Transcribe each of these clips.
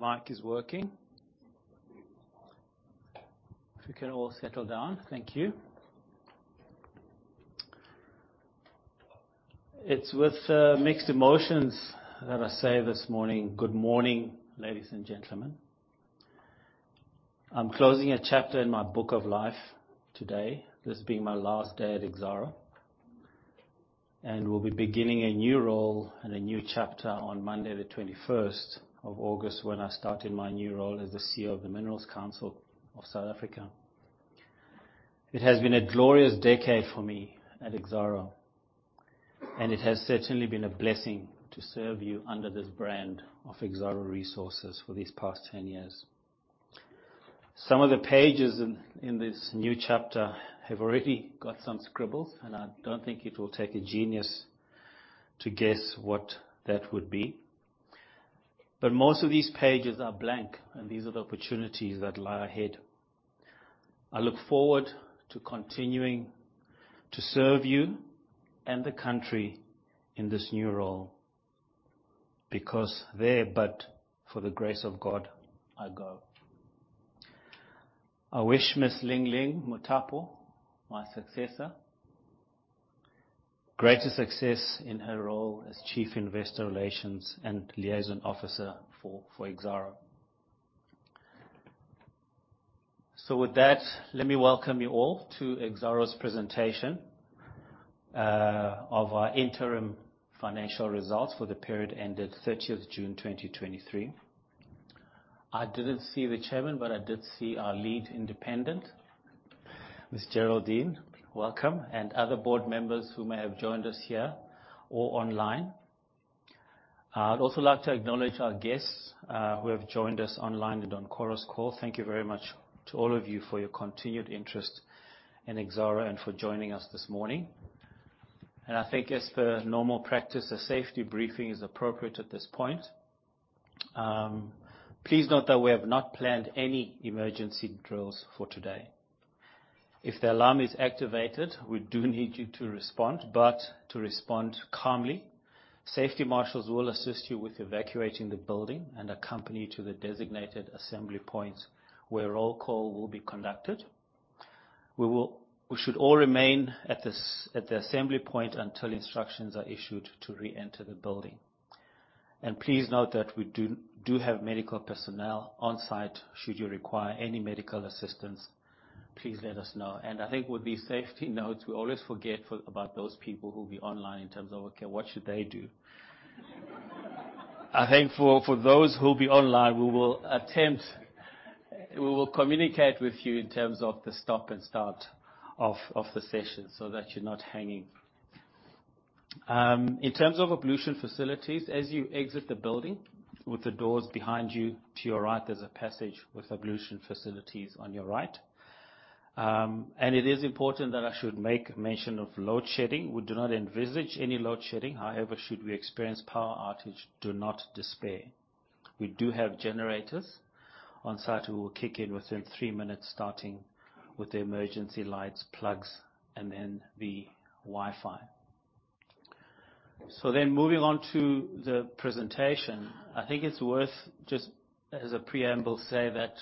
The mic is working. If we can all settle down. Thank you. It's with mixed emotions that I say this morning, good morning, ladies and gentlemen. I'm closing a chapter in my book of life today. This being my last day at Exxaro, and will be beginning a new role and a new chapter on Monday, the 21st of August, when I start in my new role as the CEO of the Minerals Council South Africa. It has been a glorious decade for me at Exxaro, and it has certainly been a blessing to serve you under this brand of Exxaro Resources for these past 10 years. Some of the pages in this new chapter have already got some scribbles, and I don't think it will take a genius to guess what that would be. Most of these pages are blank, and these are the opportunities that lie ahead. I look forward to continuing to serve you and the country in this new role, because there, but for the grace of God, I go. I wish Miss Ling-Ling Mothapo, my successor, greater success in her role as Chief Investor Relations and Liaison Officer for, for Exxaro. With that, let me welcome you all to Exxaro's presentation of our interim financial results for the period ended 30th June 2023. I didn't see the chairman, but I did see our lead independent, Ms. Geraldine, welcome, and other board members who may have joined us here or online. I'd also like to acknowledge our guests who have joined us online and on Chorus Call. Thank you very much to all of you for your continued interest in Exxaro and for joining us this morning. I think as per normal practice, a safety briefing is appropriate at this point. Please note that we have not planned any emergency drills for today. If the alarm is activated, we do need you to respond, but to respond calmly. Safety marshals will assist you with evacuating the building and accompany you to the designated assembly points, where roll call will be conducted. We should all remain at this, at the assembly point, until instructions are issued to reenter the building. Please note that we do, do have medical personnel on site. Should you require any medical assistance, please let us know. I think with these safety notes, we always forget about those people who will be online in terms of, okay, what should they do? For those who will be online, we will communicate with you in terms of the stop and start of the session so that you're not hanging. In terms of ablution facilities, as you exit the building with the doors behind you, to your right, there's a passage with ablution facilities on your right. It is important that I should make mention of load shedding. We do not envisage any load shedding. However, should we experience power outage, do not despair. We do have generators on site who will kick in within three minutes, starting with the emergency lights, plugs, and then the Wi-Fi. Then moving on to the presentation, I think it's worth, just as a preamble, say that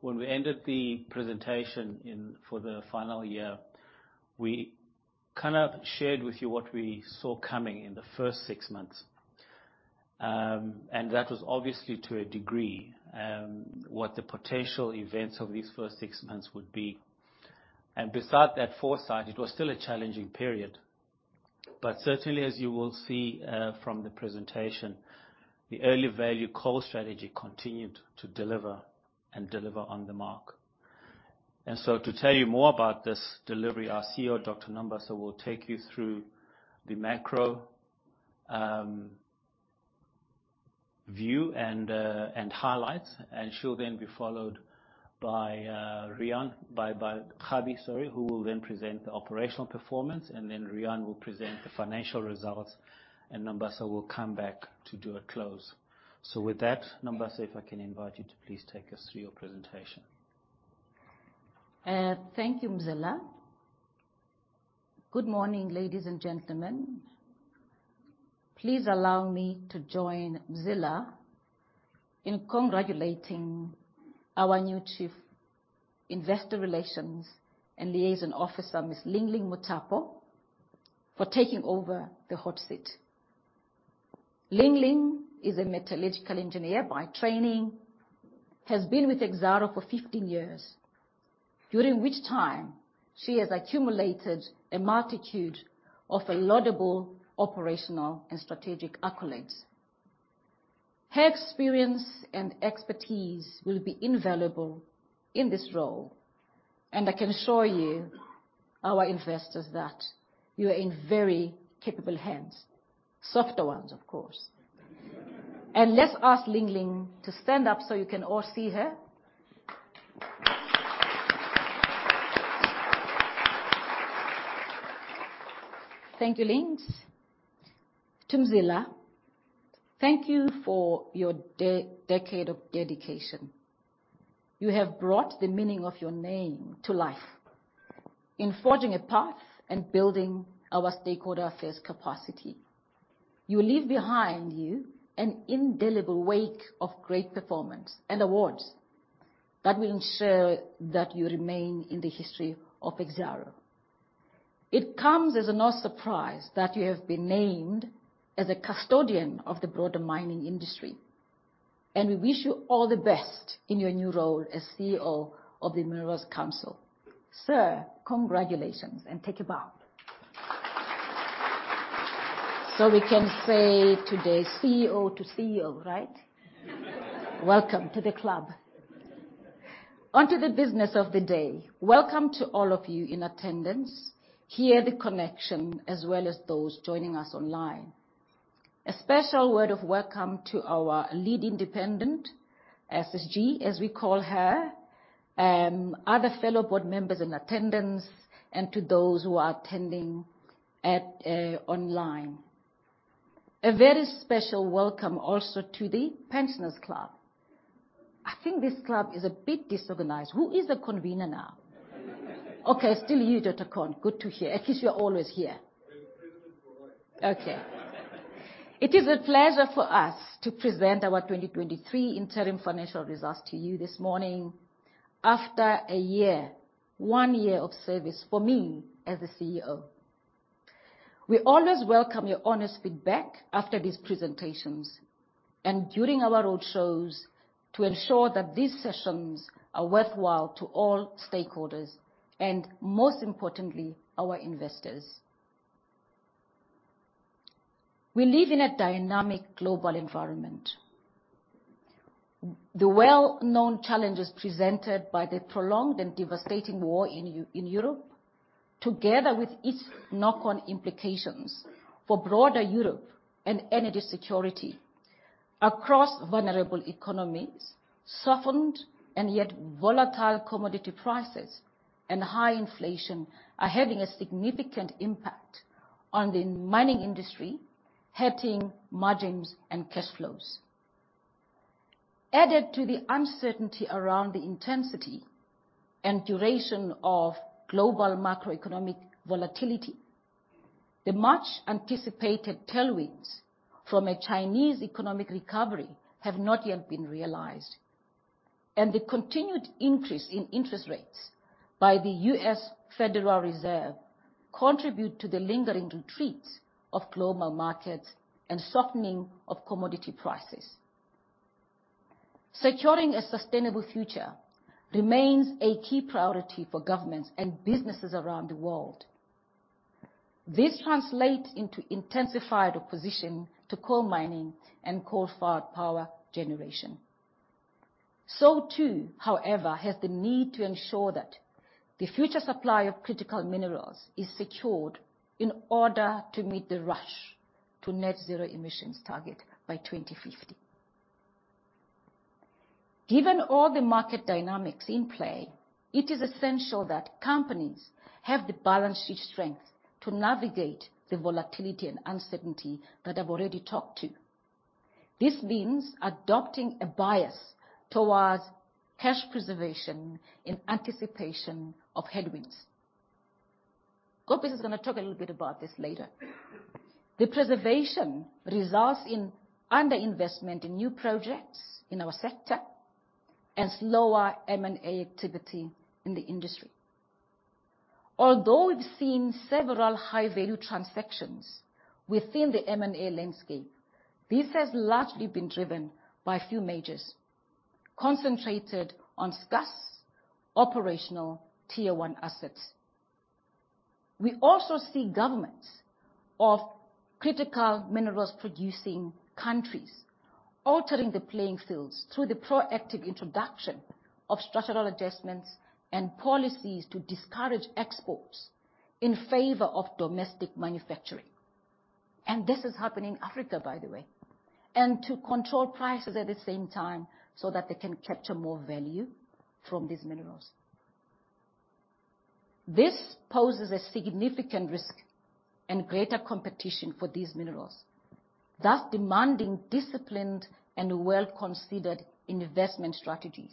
when we ended the presentation in for the final year, we kind of shared with you what we saw coming in the first six months. That was obviously to a degree, what the potential events of these first six months would be. Besides that foresight, it was still a challenging period. Certainly, as you will see, from the presentation, the early value strategy continued to deliver and deliver on the mark. To tell you more about this delivery, our CEO, Dr. Nombasa, will take you through the macro, view and highlights. She'll then be followed by Riaan, by Kgabi, sorry, who will then present the operational performance, and then Riaan will present the financial results, and Nombasa will come back to do a close. With that, Nombasa, if I can invite you to please take us through your presentation. Thank you, Mzila. Good morning, ladies and gentlemen. Please allow me to join Mzila in congratulating our new Chief Investor Relations and Liaison Officer, Ms. Ling-Ling Mothapo, for taking over the hot seat. Ling-Ling Mothapo is a metallurgical engineer by training, has been with Exxaro for 15 years, during which time she has accumulated a multitude of laudable operational and strategic accolades. Her experience and expertise will be invaluable in this role, I can assure you, our investors, that you are in very capable hands. Softer ones, of course. Let's ask Ling-Ling Mothapo to stand up so you can all see her. Thank you, Lings. To Mzila, thank you for your decade of dedication. You have brought the meaning of your name to life in forging a path and building our stakeholder affairs capacity. You leave behind you an indelible wake of great performance and awards that will ensure that you remain in the history of Exxaro. It comes as no surprise that you have been named as a custodian of the broader mining industry. We wish you all the best in your new role as CEO of the Minerals Council. Sir, congratulations, and take a bow. We can say today, CEO to CEO, right? Welcome to the club. On to the business of the day. Welcome to all of you in attendance here, the connection, as well as those joining us online. A special word of welcome to our lead independent, Sisi G, as we call her, other fellow board members in attendance, and to those who are attending at online. A very special welcome also to the Pensioners Club. I think this club is a bit disorganized. Who is the convener now? Okay, still you, Dr. Con. Good to hear. At least you're always here. The president for life. It is a pleasure for us to present our 2023 interim financial results to you this morning after a 1 year of service for me as the CEO. We always welcome your honest feedback after these presentations and during our roadshows, to ensure that these sessions are worthwhile to all stakeholders and, most importantly, our investors. We live in a dynamic global environment. The well-known challenges presented by the prolonged and devastating war in Europe, together with its knock-on implications for broader Europe and energy security across vulnerable economies, softened and yet volatile commodity prices and high inflation, are having a significant impact on the mining industry, hurting margins and cash flows. Added to the uncertainty around the intensity and duration of global macroeconomic volatility, the much-anticipated tailwinds from a Chinese economic recovery have not yet been realized, and the continued increase in interest rates by the Federal Reserve System contribute to the lingering retreat of global markets and softening of commodity prices. Securing a sustainable future remains a key priority for governments and businesses around the world. This translates into intensified opposition to coal mining and coal-fired power generation. Too, however, has the need to ensure that the future supply of critical minerals is secured in order to meet the rush to net zero emissions target by 2050. Given all the market dynamics in play, it is essential that companies have the balance sheet strength to navigate the volatility and uncertainty that I've already talked to. This means adopting a bias towards cash preservation in anticipation of headwinds. Koppes is gonna talk a little bit about this later. The preservation results in underinvestment in new projects in our sector and slower M&A activity in the industry. Although we've seen several high-value transactions within the M&A landscape, this has largely been driven by a few majors concentrated on SCUS operational Tier One assets. We also see governments of critical minerals producing countries altering the playing fields through the proactive introduction of structural adjustments and policies to discourage exports in favor of domestic manufacturing. This is happening in Africa, by the way, and to control prices at the same time so that they can capture more value from these minerals. This poses a significant risk and greater competition for these minerals, thus demanding disciplined and well-considered investment strategies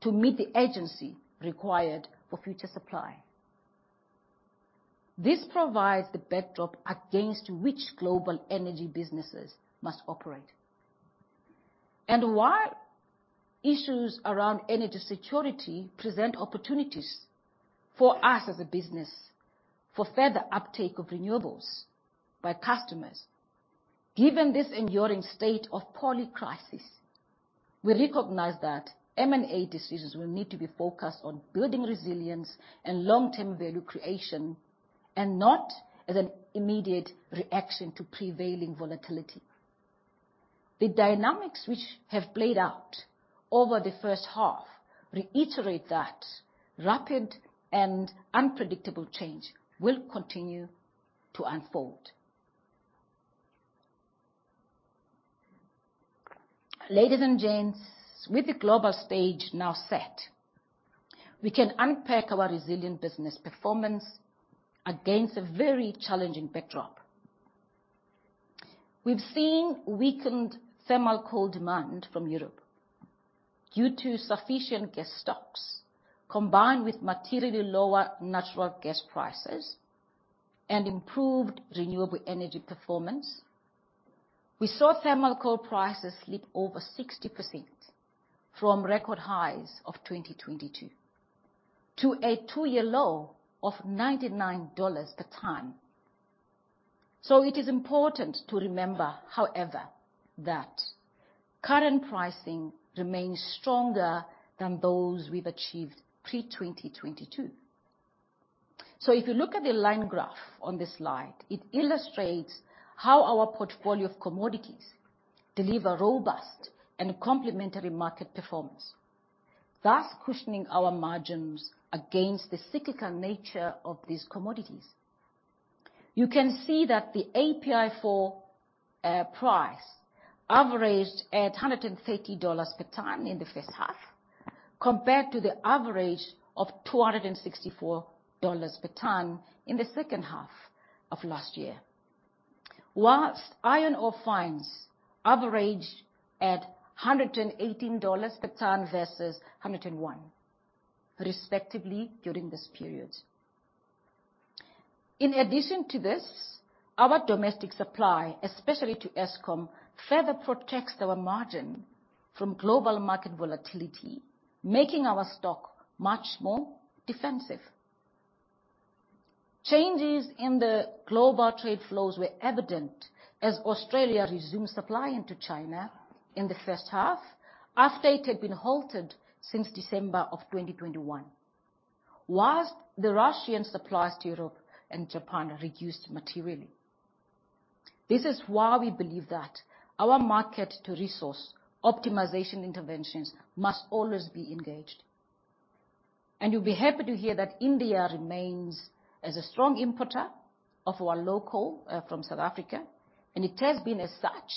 to meet the urgency required for future supply. This provides the backdrop against which global energy businesses must operate and why issues around energy security present opportunities for us as a business for further uptake of renewables by customers. Given this enduring state of polycrisis, we recognize that M&A decisions will need to be focused on building resilience and long-term value creation, and not as an immediate reaction to prevailing volatility. The dynamics which have played out over the first half reiterate that rapid and unpredictable change will continue to unfold. Ladies and gents, with the global stage now set, we can unpack our resilient business performance against a very challenging backdrop. We've seen weakened thermal coal demand from Europe due to sufficient gas stocks, combined with materially lower natural gas prices and improved renewable energy performance. We saw thermal coal prices slip over 60% from record highs of 2022, to a 2-year low of $99 a ton. It is important to remember, however, that current pricing remains stronger than those we've achieved pre-2022. If you look at the line graph on this slide, it illustrates how our portfolio of commodities deliver robust and complementary market performance, thus cushioning our margins against the cyclical nature of these commodities. You can see that the API4 price averaged at $130 per ton in the first half, compared to the average of $264 per ton in the second half of last year. Whilst iron ore fines averaged at $118 per ton versus $101, respectively, during this period. In addition to this, our domestic supply, especially to Eskom, further protects our margin from global market volatility, making our stock much more defensive. Changes in the global trade flows were evident as Australia resumed supplying to China in the first half, after it had been halted since December of 2021. Whilst the Russian supplies to Europe and Japan reduced materially. This is why we believe that our market-to-resource optimization interventions must always be engaged. You'll be happy to hear that India remains as a strong importer of our local, from South Africa, and it has been as such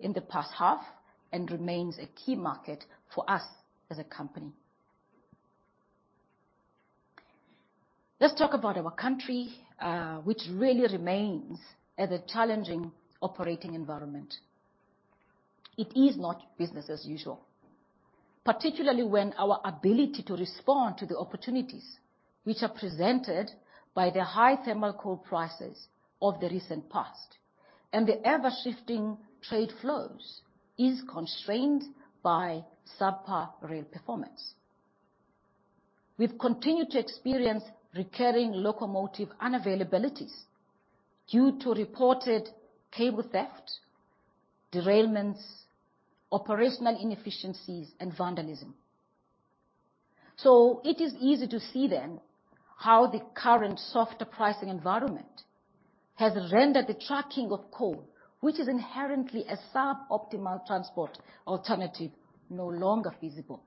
in the past half and remains a key market for us as a company. Let's talk about our country, which really remains at a challenging operating environment. It is not business as usual, particularly when our ability to respond to the opportunities which are presented by the high thermal coal prices of the recent past, and the ever-shifting trade flows is constrained by subpar rail performance. We've continued to experience recurring locomotive unavailabilities due to reported cable theft, derailments, operational inefficiencies, and vandalism. It is easy to see then, how the current softer pricing environment has rendered the tracking of coal, which is inherently a suboptimal transport alternative, no longer feasible.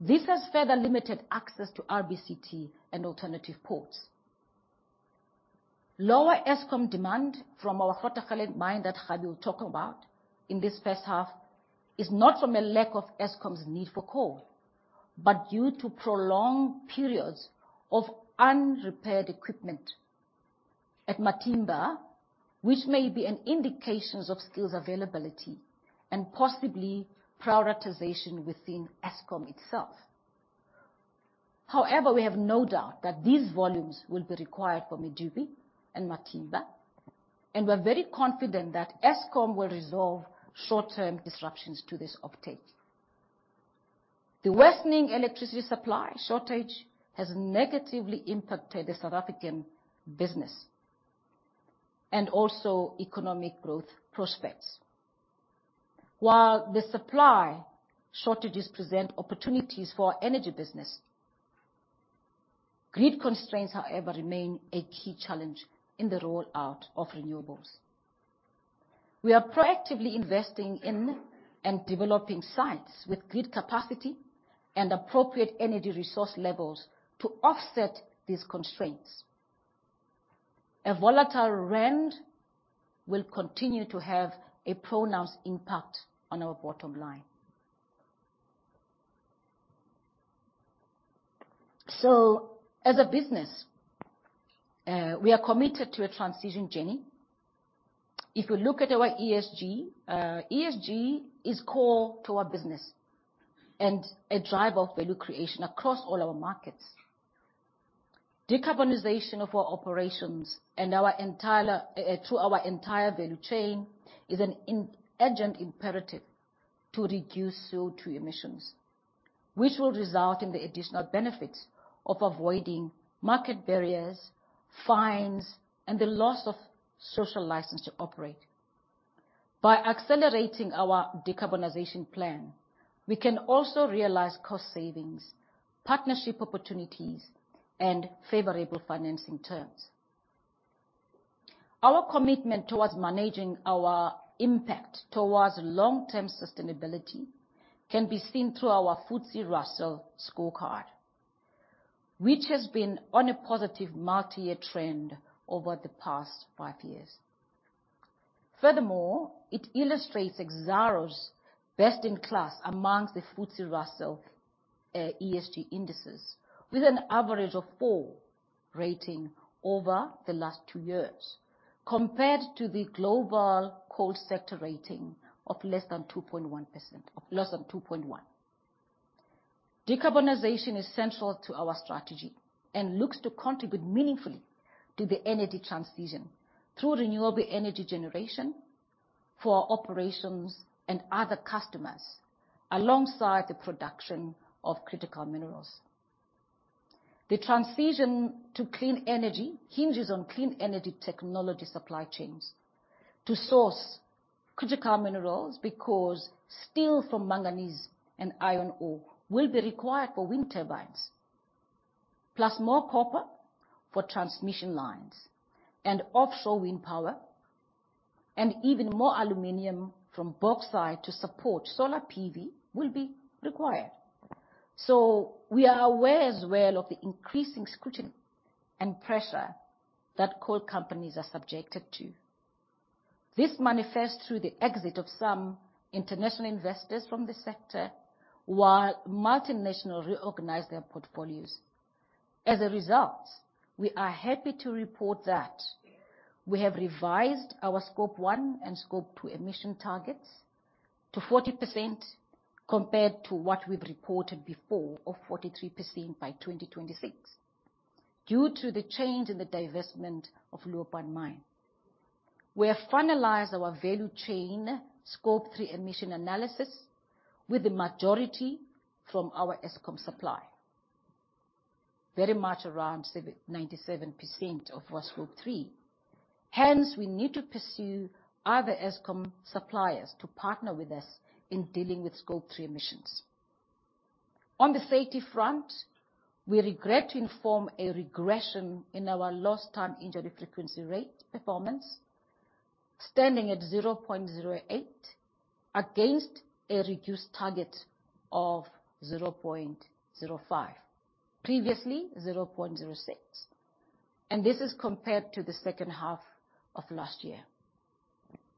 This has further limited access to RBCT and alternative ports. Lower Eskom demand from our Waterberg mine, that Thabi will talk about, in this first half, is not from a lack of Eskom's need for coal, but due to prolonged periods of unrepaired equipment at Matimba, which may be an indications of skills availability and possibly prioritization within Eskom itself. However, we have no doubt that these volumes will be required for Medupi and Matimba, and we're very confident that Eskom will resolve short-term disruptions to this uptake. The worsening electricity supply shortage has negatively impacted the South African business and also economic growth prospects. While the supply shortages present opportunities for our energy business, grid constraints, however, remain a key challenge in the rollout of renewables. We are proactively investing in and developing sites with grid capacity and appropriate energy resource levels to offset these constraints. A volatile rand will continue to have a pronounced impact on our bottom line. As a business, we are committed to a transition journey. If you look at our ESG, ESG is core to our business and a driver of value creation across all our markets. Decarbonization of our operations and our entire, through our entire value chain, is an urgent imperative to reduce CO2 emissions, which will result in the additional benefits of avoiding market barriers, fines, and the loss of social license to operate. By accelerating our decarbonization plan, we can also realize cost savings, partnership opportunities, and favorable financing terms. Our commitment towards managing our impact towards long-term sustainability can be seen through our FTSE Russell scorecard, which has been on a positive multi-year trend over the past 5 years. Furthermore, it illustrates Exxaro's best-in-class amongst the FTSE Russell, ESG indices, with an average of 4 rating over the last 2 years, compared to the global coal sector rating of less than 2.1%, of less than 2.1. Decarbonization is central to our strategy and looks to contribute meaningfully to the energy transition through renewable energy generation for our operations and other customers, alongside the production of critical minerals. The transition to clean energy hinges on clean energy technology supply chains to source critical minerals, because steel from manganese and iron ore will be required for wind turbines, plus more copper for transmission lines and offshore wind power, and even more aluminum from bauxite to support solar PV will be required. We are aware as well of the increasing scrutiny and pressure that coal companies are subjected to. This manifests through the exit of some international investors from the sector, while multinationals reorganize their portfolios. As a result, we are happy to report that we have revised our Scope 1 and Scope 2 emission targets to 40%, compared to what we've reported before of 43% by 2026, due to the change in the divestment of Leeuwpan Mine. We have finalized our value chain Scope 3 emission analysis with the majority from our Eskom supply, very much around 97% of our Scope 3. Hence, we need to pursue other Eskom suppliers to partner with us in dealing with Scope 3 emissions. On the safety front, we regret to inform a regression in our Lost Time Injury Frequency Rate performance, standing at 0.08, against a reduced target of 0.05, previously 0.06, and this is compared to the second half of last year.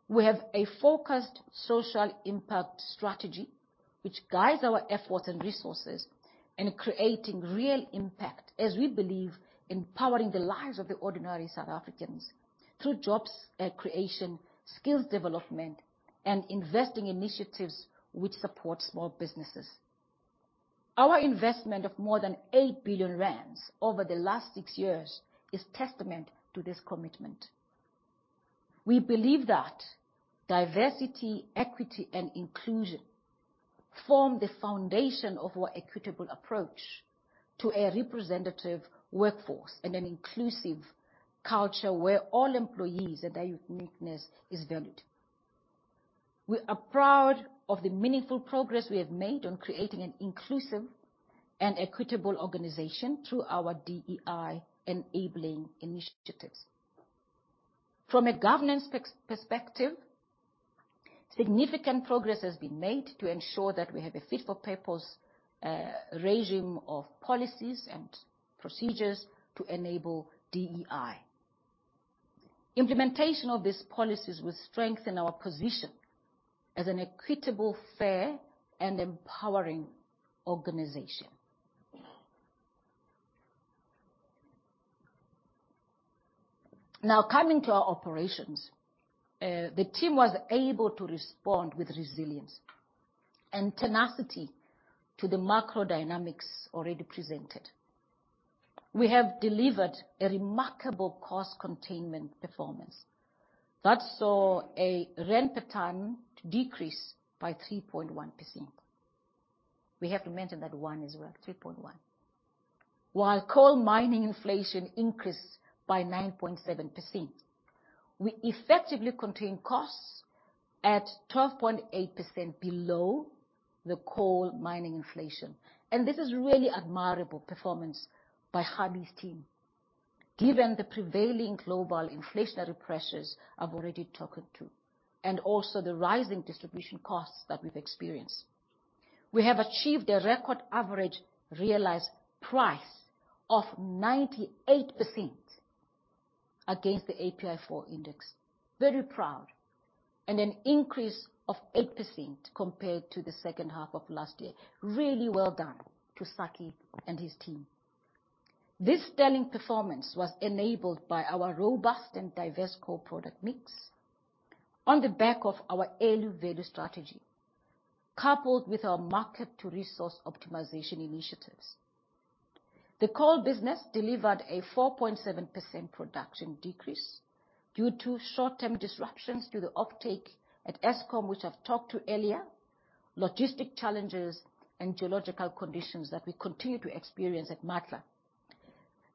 We have a focused social impact strategy, which guides our efforts and resources in creating real impact, as we believe in powering the lives of the ordinary South Africans through jobs, creation, skills development, and investing initiatives which support small businesses. Our investment of more than 8 billion rand over the last 6 years is testament to this commitment. We believe that diversity, equity, and inclusion form the foundation of our equitable approach to a representative workforce and an inclusive culture where all employees and their uniqueness is valued. We are proud of the meaningful progress we have made on creating an inclusive and equitable organization through our DEI enabling initiatives. From a governance perspective, significant progress has been made to ensure that we have a fit-for-purpose regime of policies and procedures to enable DEI. Implementation of these policies will strengthen our position as an equitable, fair, and empowering organization. Now, coming to our operations, the team was able to respond with resilience and tenacity to the macro dynamics already presented. We have delivered a remarkable cost containment performance that saw a rand per ton decrease by 3.1%. We have to mention that one as well, 3.1. While coal mining inflation increased by 9.7%, we effectively contained costs at 12.8% below the coal mining inflation. This is really admirable performance by Kgabi's team, given the prevailing global inflationary pressures I've already talked to, and also the rising distribution costs that we've experienced. We have achieved a record average realized price of 98% against the API4 index. Very proud. An increase of 8% compared to the second half of 2022. Really well done to Saki and his team. This sterling performance was enabled by our robust and diverse core product mix on the back of our early value strategy, coupled with our market-to-resource optimization initiatives. The coal business delivered a 4.7% production decrease due to short-term disruptions to the uptake at Eskom, which I've talked to earlier, logistic challenges, and geological conditions that we continue to experience at Matla.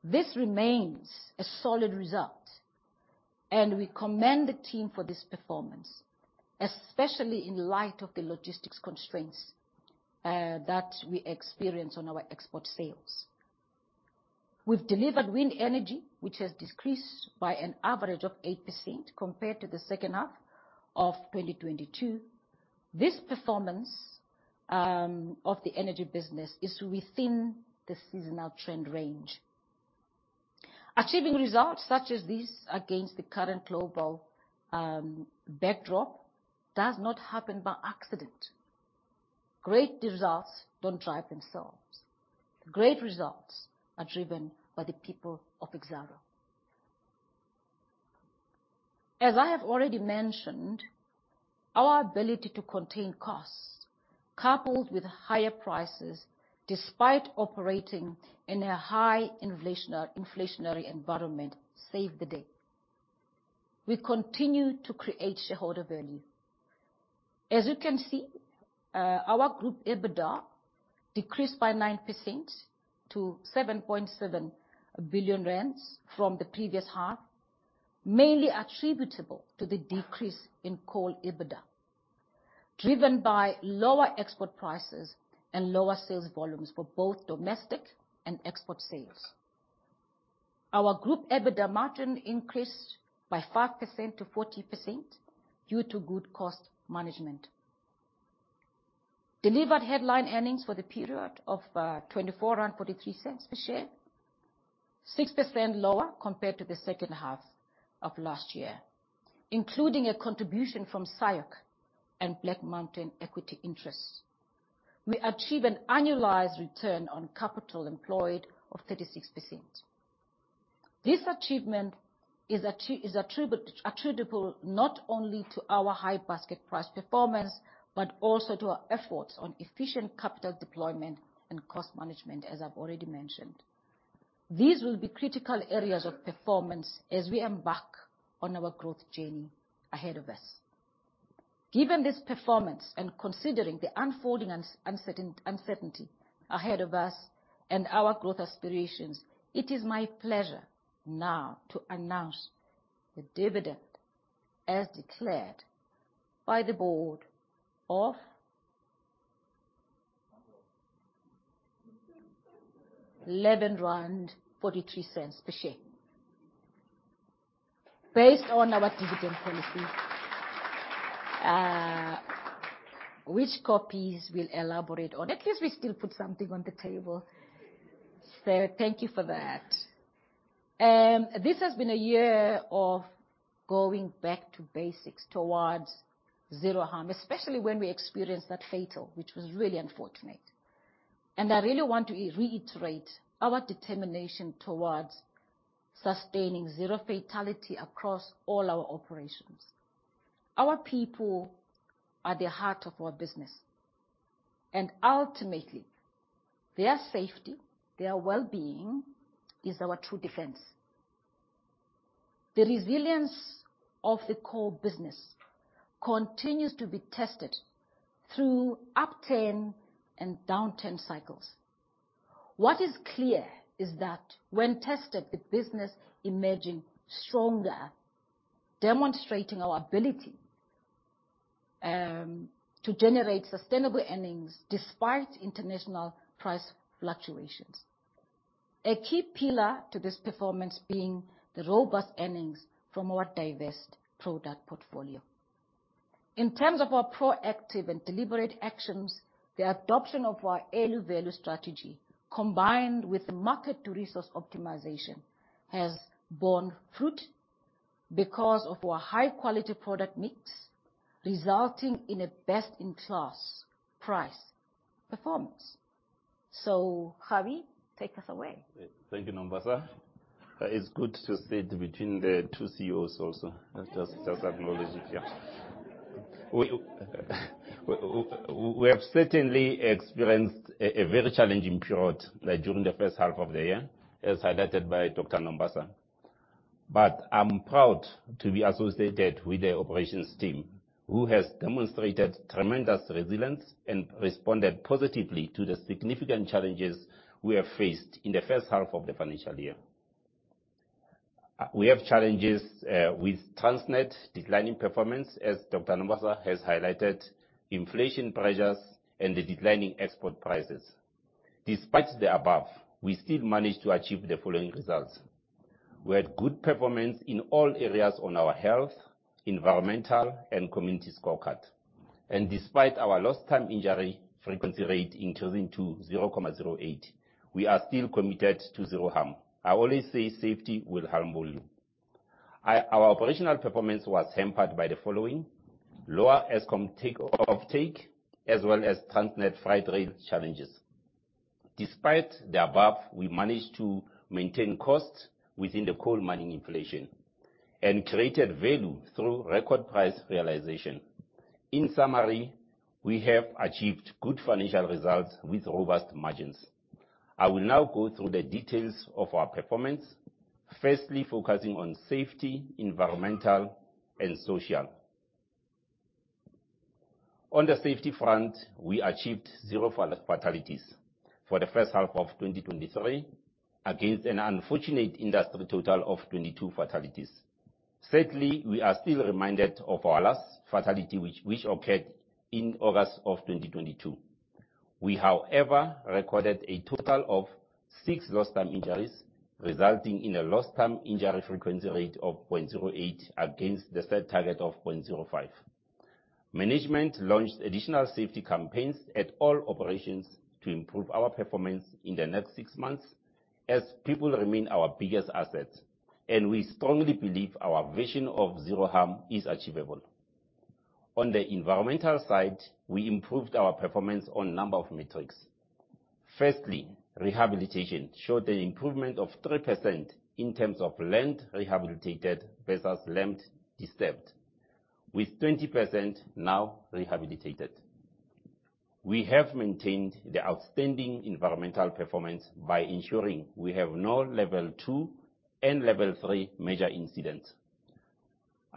This remains a solid result, and we commend the team for this performance, especially in light of the logistics constraints that we experience on our export sales. We've delivered wind energy, which has decreased by an average of 8% compared to the second half of 2022. This performance of the energy business is within the seasonal trend range. achieving results such as these against the current global backdrop does not happen by accident. Great results don't drive themselves. Great results are driven by the people of Exxaro. As I have already mentioned, our ability to contain costs, coupled with higher prices, despite operating in a high inflationary environment, saved the day. We continue to create shareholder value. As you can see, our group EBITDA decreased by 9% to 7.7 billion rand from the previous half, mainly attributable to the decrease in coal EBITDA, driven by lower export prices and lower sales volumes for both domestic and export sales. Our group EBITDA margin increased by 5% to 40% due to good cost management. Delivered headline earnings for the period of 24.43 per share, 6% lower compared to the second half of last year, including a contribution from SIOC and Black Mountain equity interests. We achieve an annualized Return on Capital Employed of 36%. This achievement is attributable not only to our high basket price performance, but also to our efforts on efficient capital deployment and cost management, as I've already mentioned. These will be critical areas of performance as we embark on our growth journey ahead of us. Given this performance and considering the unfolding uncertainty ahead of us and our growth aspirations, it is my pleasure now to announce the dividend, as declared by the board, of 11.43 rand per share. Based on our dividend policy, which Koppes will elaborate on. At least we still put something on the table. Thank you for that. This has been a year of going back to basics towards zero harm, especially when we experienced that fatal, which was really unfortunate. I really want to reiterate our determination towards sustaining zero fatality across all our operations. Our people are the heart of our business, and ultimately, their safety, their well-being, is our true defense. The resilience of the core business continues to be tested through upturn and downturn cycles. What is clear is that when tested, the business emerging stronger, demonstrating our ability to generate sustainable earnings despite international price fluctuations. A key pillar to this performance being the robust earnings from our diverse product portfolio. In terms of our proactive and deliberate actions, the adoption of our early value strategy, combined with market-to-resource optimization, has borne fruit because of our high-quality product mix, resulting in a best-in-class price performance. Kgabi, take us away. Thank you, Nombasa. It's good to sit between the two CEOs also, just, just acknowledge it, yeah. We have certainly experienced a very challenging period during the first half of the year, as highlighted by Dr. Nombasa. I'm proud to be associated with the operations team, who has demonstrated tremendous resilience and responded positively to the significant challenges we have faced in the first half of the financial year. We have challenges with Transnet declining performance, as Dr. Nombasa has highlighted, inflation pressures and the declining export prices. Despite the above, we still managed to achieve the following results: We had good performance in all areas on our health, environmental and community scorecard, and despite our Lost Time Injury Frequency Rate increasing to 0.08, we are still committed to zero harm. I always say safety will harm you. Our operational performance was hampered by the following: Lower Eskom take, offtake, as well as Transnet Freight Rail challenges. Despite the above, we managed to maintain costs within the coal mining inflation and created value through record price realization. In summary, we have achieved good financial results with robust margins. I will now go through the details of our performance, firstly, focusing on safety, environmental and social. On the safety front, we achieved zero fatalities for the first half of 2023, against an unfortunate industry total of 22 fatalities. Sadly, we are still reminded of our last fatality, which occurred in August of 2022. We, however, recorded a total of six lost time injuries, resulting in a Lost Time Injury Frequency Rate of 0.08 against the set target of 0.05. Management launched additional safety campaigns at all operations to improve our performance in the next 6 months, as people remain our biggest asset, and we strongly believe our vision of zero harm is achievable. On the environmental side, we improved our performance on number of metrics. Firstly, rehabilitation showed an improvement of 3% in terms of land rehabilitated versus land disturbed, with 20% now rehabilitated. We have maintained the outstanding environmental performance by ensuring we have no level 2 and level 3 major incidents.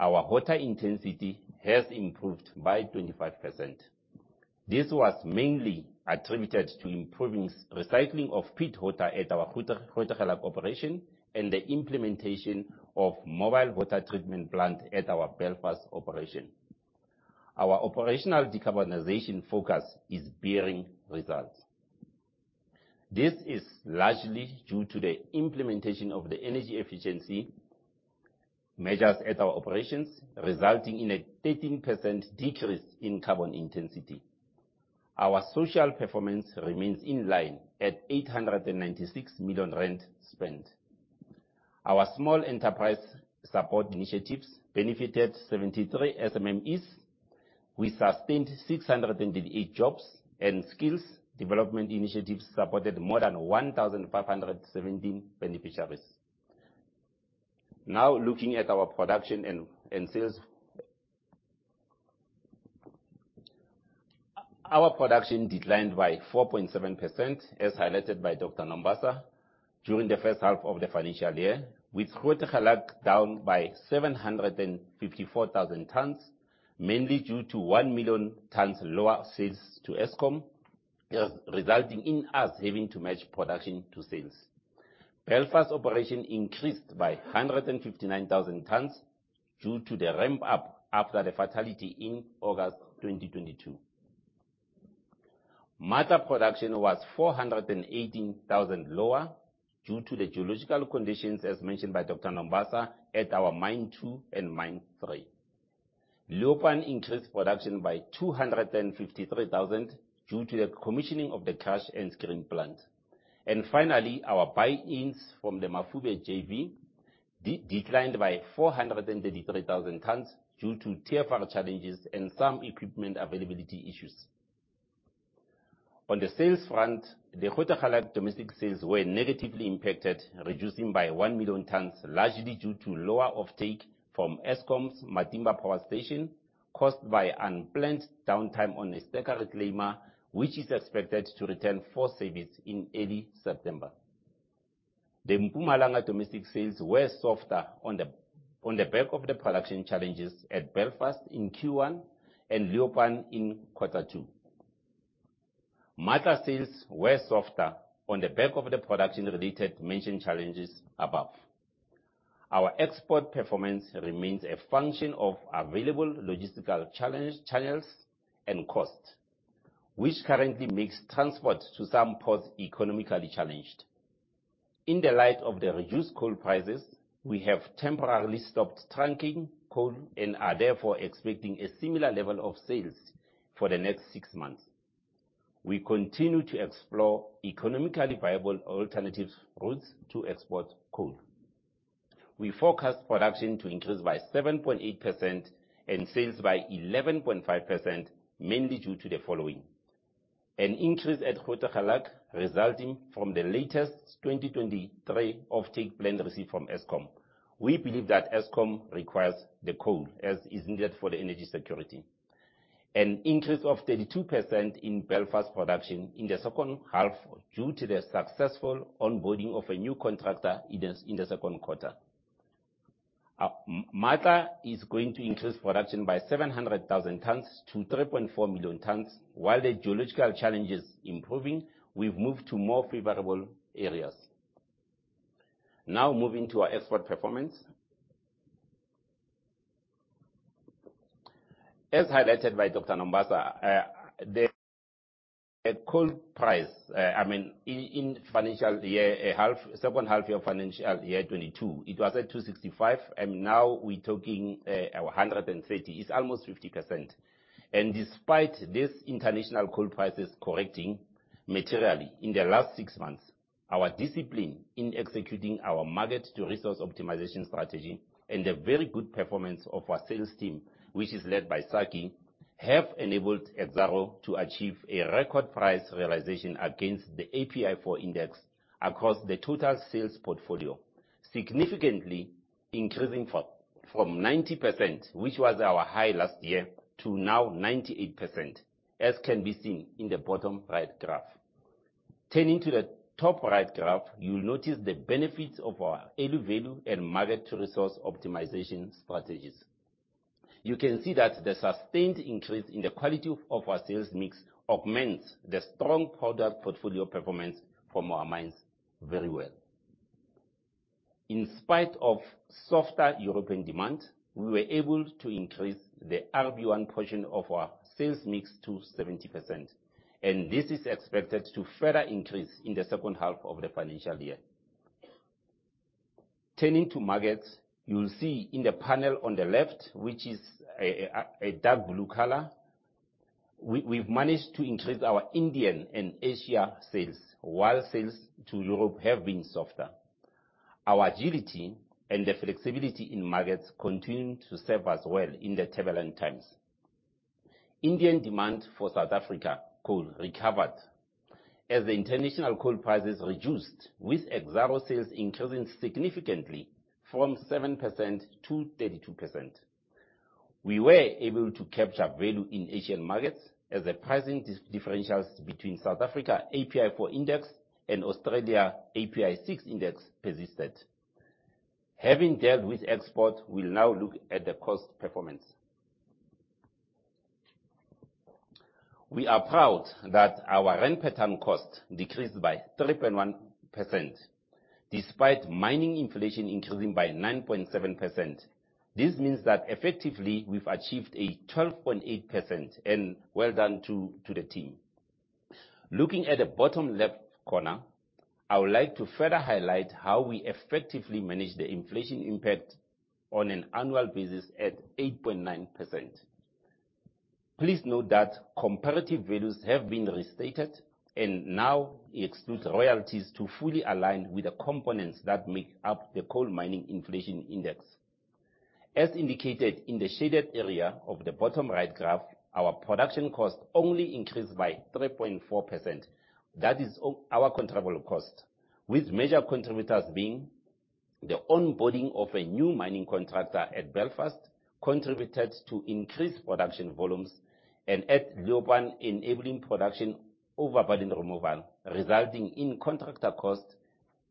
Our water intensity has improved by 25%. This was mainly attributed to improving recycling of pit water at our Grootegeluk operation, and the implementation of mobile water treatment plant at our Belfast operation. Our operational decarbonization focus is bearing results. This is largely due to the implementation of the energy efficiency measures at our operations, resulting in a 13% decrease in carbon intensity. Our social performance remains in line at 896 million rand spent. Our small enterprise support initiatives benefited 73 SMMEs. We sustained 688 jobs, and skills development initiatives supported more than 1,517 beneficiaries. Now, looking at our production and sales. Our production declined by 4.7%, as highlighted by Dr. Nombasa, during the first half of the financial year, with Grootegeluk down by 754,000 tons, mainly due to 1 million tons lower sales to Eskom, resulting in us having to match production to sales. Belfast operation increased by 159,000 tons due to the ramp up after the fatality in August 2022. Matla production was 418,000 lower due to the geological conditions, as mentioned by Dr. Nombasa, at our mine two and mine three. Leeuwpan increased production by 253,000 due to the commissioning of the crush and screen plant. Finally, our buy-ins from the Mafube JV declined by 433,000 tons due to TFR challenges and some equipment availability issues. The Grootegeluk domestic sales were negatively impacted, reducing by 1 million tons, largely due to lower offtake from Eskom's Matimba Power Station, caused by unplanned downtime on a secondary claimer, which is expected to return full service in early September. The Mpumalanga domestic sales were softer on the back of the production challenges at Belfast in Q1 and Leeuwpan in Quarter two. Matla sales were softer on the back of the production-related mentioned challenges above. Our export performance remains a function of available logistical channels and cost, which currently makes transport to some ports economically challenged. In the light of the reduced coal prices, we have temporarily stopped trunking coal and are therefore expecting a similar level of sales for the next six months. We continue to explore economically viable alternative routes to export coal. We forecast production to increase by 7.8% and sales by 11.5%, mainly due to the following: An increase at Grootegeluk, resulting from the latest 2023 offtake plan received from Eskom. We believe that Eskom requires the coal as is needed for the energy security. An increase of 32% in Belfast production in the second half, due to the successful onboarding of a new contractor in the second quarter. Matla is going to increase production by 700,000 tons to 3.4 million tons. While the geological challenge is improving, we've moved to more favorable areas. Moving to our export performance. As highlighted by Dr. Nombasa, the, the coal price, I mean, in financial year, second half year of financial year 2022, it was at $265, and now we're talking $130. It's almost 50%. Despite these international coal prices correcting materially in the last six months, our discipline in executing our market-to-resource optimization strategy and the very good performance of our sales team, which is led by Saki, have enabled Exxaro to achieve a record price realization against the API4 index across the total sales portfolio. Significantly, increasing from 90%, which was our high last year, to now 98%, as can be seen in the bottom right graph. Turning to the top right graph, you'll notice the benefits of our early value and market-to-resource optimization strategies. You can see that the sustained increase in the quality of our sales mix augments the strong product portfolio performance from our mines very well. In spite of softer European demand, we were able to increase the RB1 portion of our sales mix to 70%, and this is expected to further increase in the second half of the financial year. Turning to markets, you'll see in the panel on the left, which is a dark blue color, we've managed to increase our Indian and Asia sales, while sales to Europe have been softer. Our agility and the flexibility in markets continue to serve us well in the turbulent times. Indian demand for South Africa coal recovered as the international coal prices reduced, with Exxaro sales increasing significantly from 7% to 32%. We were able to capture value in Asian markets as the pricing differentials between South Africa API4 index and Australia API6 index persisted. Having dealt with export, we'll now look at the cost performance. We are proud that our rand per ton cost decreased by 3.1%, despite mining inflation increasing by 9.7%. This means that effectively, we've achieved a 12.8%, and well done to the team. Looking at the bottom left corner, I would like to further highlight how we effectively managed the inflation impact on an annual basis at 8.9%. Please note that comparative values have been restated and now excludes royalties to fully align with the components that make up the coal mining inflation index. As indicated in the shaded area of the bottom right graph, our production cost only increased by 3.4%. That is our controllable cost, with major contributors being: the onboarding of a new mining contractor at Belfast, contributed to increased production volumes, and at Leeuwpan, enabling production overburden removal, resulting in contractor costs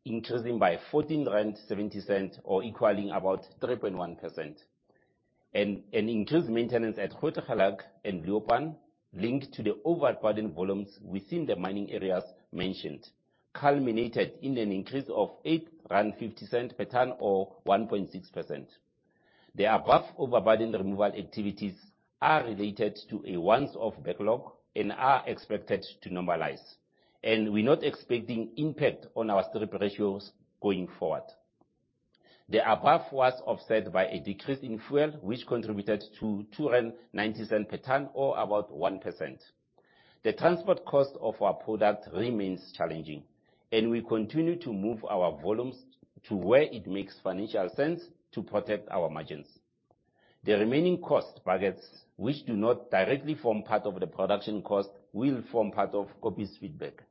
increasing by 14.70, or equaling about 3.1%. Increased maintenance at Grootegeluk and Leeuwpan, linked to the overburden volumes within the mining areas mentioned, culminated in an increase of 8.50 per ton, or 1.6%. The above overburden removal activities are related to a once-off backlog and are expected to normalize. We're not expecting impact on our strip ratios going forward. The above was offset by a decrease in fuel, which contributed to 2.90 per ton, or about 1%. The transport cost of our product remains challenging, and we continue to move our volumes to where it makes financial sense to protect our margins. The remaining cost buckets, which do not directly form part of the production cost, will form part of Koppes' feedback.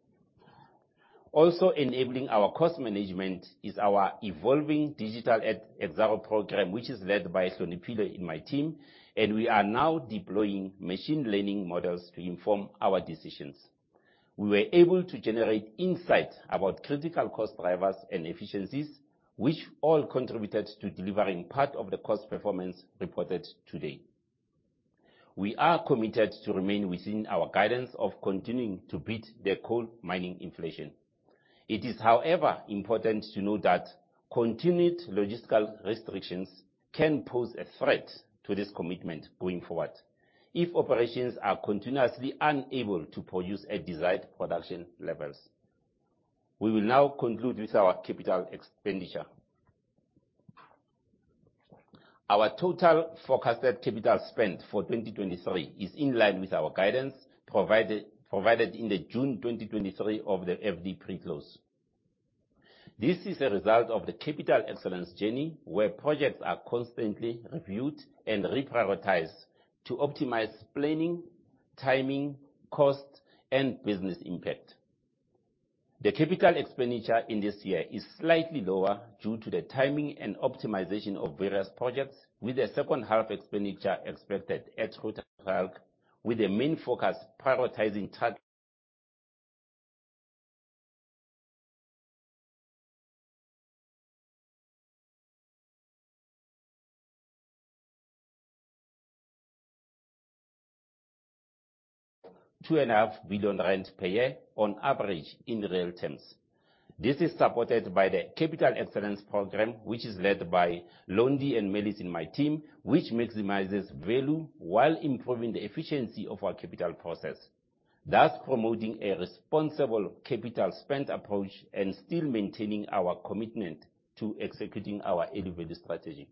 Enabling our cost management is our evolving digital at Exxaro program, which is led by Sino Phayile in my team, and we are now deploying machine learning models to inform our decisions. We were able to generate insight about critical cost drivers and efficiencies, which all contributed to delivering part of the cost performance reported today. We are committed to remain within our guidance of continuing to beat the coal mining inflation. It is, however, important to note that continued logistical restrictions can pose a threat to this commitment going forward, if operations are continuously unable to produce at desired production levels. We will now conclude with our capital expenditure. Our total forecasted capital spend for 2023 is in line with our guidance provided in the June 2023 of the FD pre-close. This is a result of the capital excellence journey, where projects are constantly reviewed and reprioritized to optimize planning, timing, cost, and business impact. The capital expenditure in this year is slightly lower due to the timing and optimization of various projects, with the second half expenditure expected at Grootegeluk, with the main focus prioritizing target 2.5 billion per year on average, in real terms. This is supported by the Capital Excellence Program, which is led by Londi and Melis in my team, which maximizes value while improving the efficiency of our capital process, thus promoting a responsible capital spend approach and still maintaining our commitment to executing our value strategy.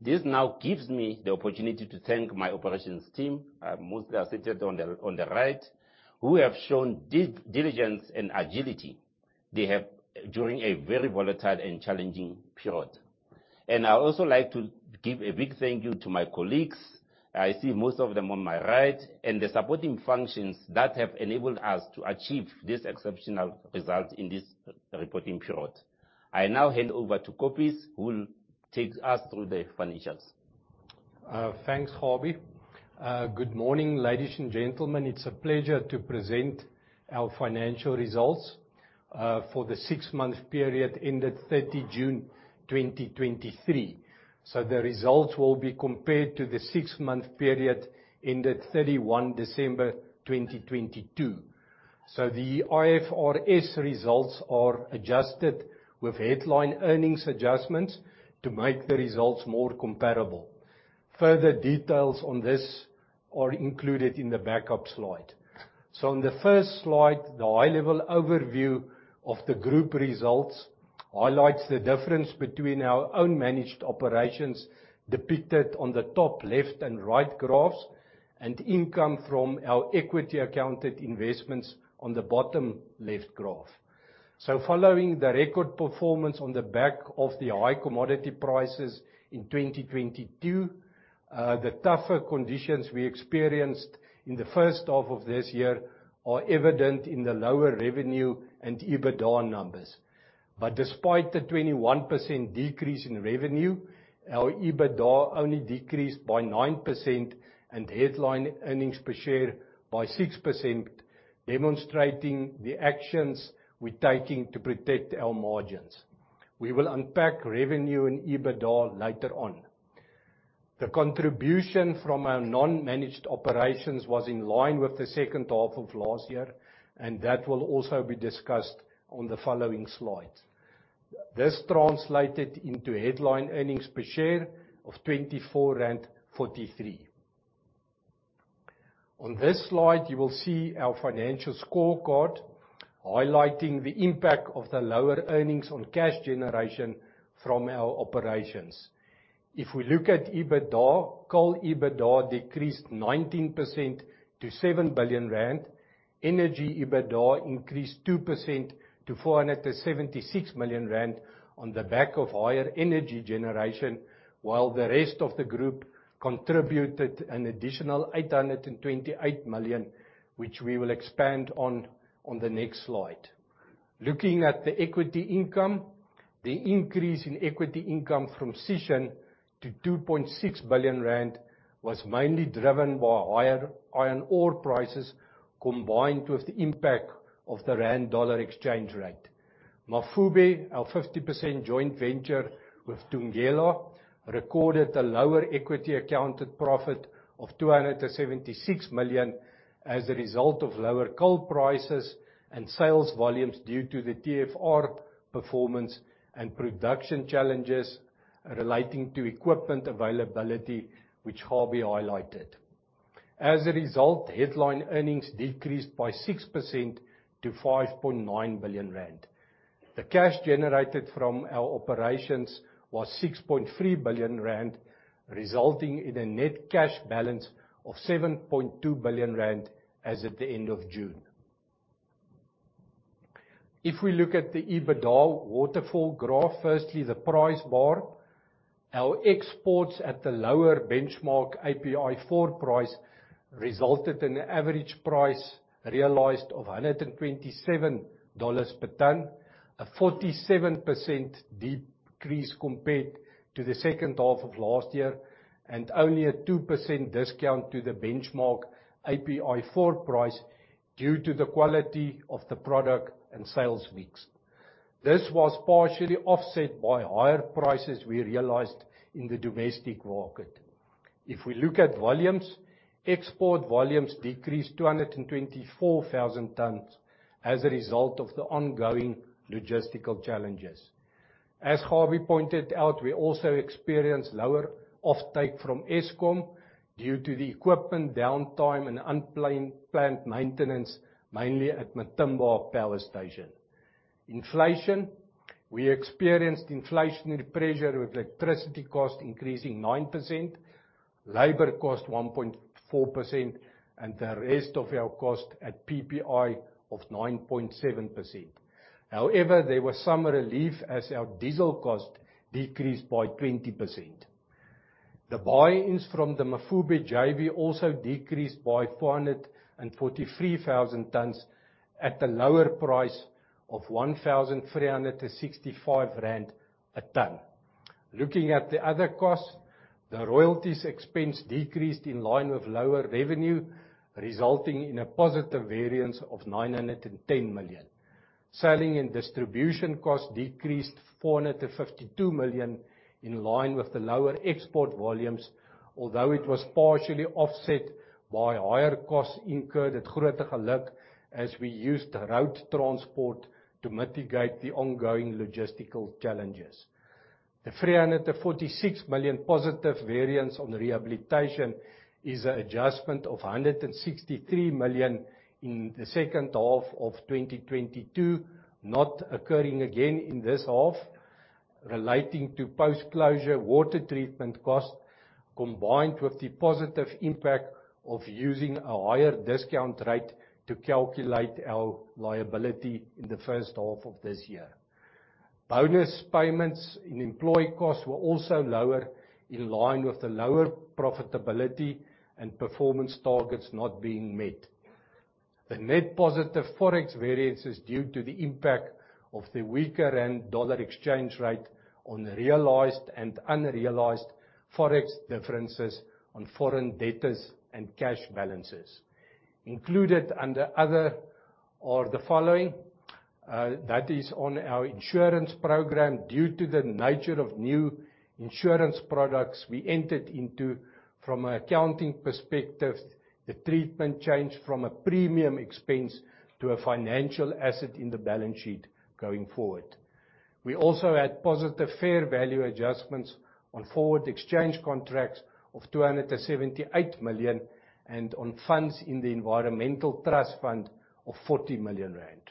This now gives me the opportunity to thank my operations team, mostly are seated on the right, who have shown diligence and agility during a very volatile and challenging period. I'd also like to give a big thank you to my colleagues, I see most of them on my right, and the supporting functions that have enabled us to achieve this exceptional result in this reporting period. I now hand over to Koppes, who will take us through the financials. Thanks, Nobasa. Good morning, ladies and gentlemen. It's a pleasure to present our financial results for the 6-month period ended 30 June, 2023. The results will be compared to the 6-month period ended 31 December, 2022. The IFRS results are adjusted with Headline Earnings adjustments to make the results more comparable. Further details on this are included in the backup slide. On the 1st slide, the high-level overview of the group results highlights the difference between our own managed operations, depicted on the top left and right graphs, and income from our equity accounted investments on the bottom left graph. Following the record performance on the back of the high commodity prices in 2022, the tougher conditions we experienced in the 1st half of this year are evident in the lower revenue and EBITDA numbers. Despite the 21% decrease in revenue, our EBITDA only decreased by 9% and Headline Earnings Per Share by 6%, demonstrating the actions we're taking to protect our margins. We will unpack revenue and EBITDA later on. The contribution from our non-managed operations was in line with the second half of last year, and that will also be discussed on the following slides. This translated into Headline Earnings Per Share of 24.43 rand. On this slide, you will see our financial scorecard highlighting the impact of the lower earnings on cash generation from our operations. If we look at EBITDA, coal EBITDA decreased 19% to 7 billion rand. Energy EBITDA increased 2% to 476 million rand on the back of higher energy generation, while the rest of the group contributed an additional 828 million, which we will expand on, on the next slide. Looking at the equity income, the increase in equity income from Sishen to 2.6 billion rand was mainly driven by higher iron ore prices, combined with the impact of the rand dollar exchange rate. Mafube, our 50% joint venture with Thungela, recorded a lower equity accounted profit of 276 million as a result of lower coal prices and sales volumes, due to the TFR performance and production challenges relating to equipment availability, which Kgabi highlighted. As a result, Headline Earnings decreased by 6% to 5.9 billion rand. The cash generated from our operations was 6.3 billion rand, resulting in a net cash balance of 7.2 billion rand as at the end of June. If we look at the EBITDA waterfall graph, firstly, the price bar. Our exports at the lower benchmark, API4 price, resulted in an average price realized of $127 per ton, a 47% decrease compared to the second half of last year, and only a 2% discount to the benchmark API4 price, due to the quality of the product and sales mix. This was partially offset by higher prices we realized in the domestic market. If we look at volumes, export volumes decreased 224,000 tons as a result of the ongoing logistical challenges. As Kgabi pointed out, we also experienced lower offtake from Eskom due to the equipment downtime and unplanned, planned maintenance, mainly at Matimba Power Station. Inflation. We experienced inflationary pressure with electricity costs increasing 9%, labor cost 1.4%, and the rest of our cost at PPI of 9.7%. However, there was some relief as our diesel cost decreased by 20%. The buy-ins from the Mafube JV also decreased by 443,000 tons at a lower price of 1,365 rand a ton. Looking at the other costs, the royalties expense decreased in line with lower revenue, resulting in a positive variance of 910 million. Selling and distribution costs decreased 452 million, in line with the lower export volumes, although it was partially offset by higher costs incurred at Grootegeluk, as we used road transport to mitigate the ongoing logistical challenges. The 346 million positive variance on rehabilitation is an adjustment of 163 million in the second half of 2022. Not occurring again in this half, relating to post-closure water treatment costs, combined with the positive impact of using a higher discount rate to calculate our liability in the first half of this year. Bonus payments and employee costs were also lower, in line with the lower profitability and performance targets not being met. The net positive Forex variance is due to the impact of the weaker rand-dollar exchange rate on realized and unrealized Forex differences on foreign debtors and cash balances. Included under other are the following. That is on our insurance program. Due to the nature of new insurance products we entered into, from an accounting perspective, the treatment changed from a premium expense to a financial asset in the balance sheet going forward. We also had positive fair value adjustments on forward exchange contracts of 278 million, and on funds in the environmental trust fund of 40 million rand.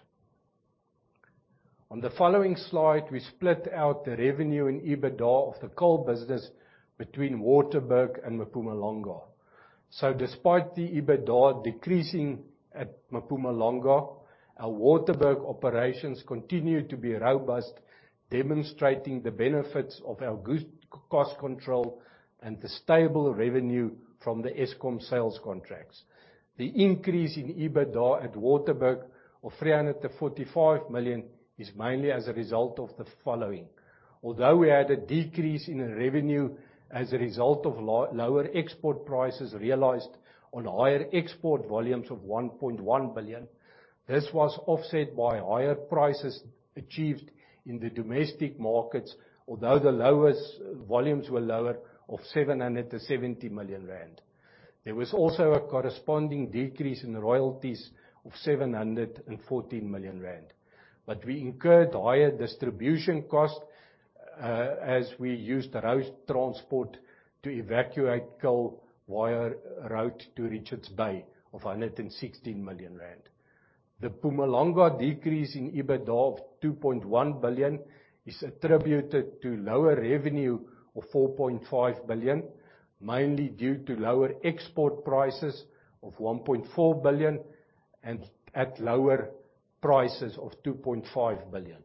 On the following slide, we split out the revenue in EBITDA of the coal business between Waterberg and Mpumalanga. Despite the EBITDA decreasing at Mpumalanga, our Waterberg operations continue to be robust, demonstrating the benefits of our good cost control and the stable revenue from the Eskom sales contracts. The increase in EBITDA at Waterberg of 345 million is mainly as a result of the following: We had a decrease in the revenue as a result of lower export prices realized on higher export volumes of 1.1 billion, this was offset by higher prices achieved in the domestic markets, although the lowest volumes were lower, of 770 million rand. There was also a corresponding decrease in royalties of 714 million rand. We incurred higher distribution costs as we used road transport to evacuate coal via road to Richards Bay of 116 million rand. The Mpumalanga decrease in EBITDA of 2.1 billion is attributed to lower revenue of 4.5 billion, mainly due to lower export prices of 1.4 billion and at lower prices of 2.5 billion.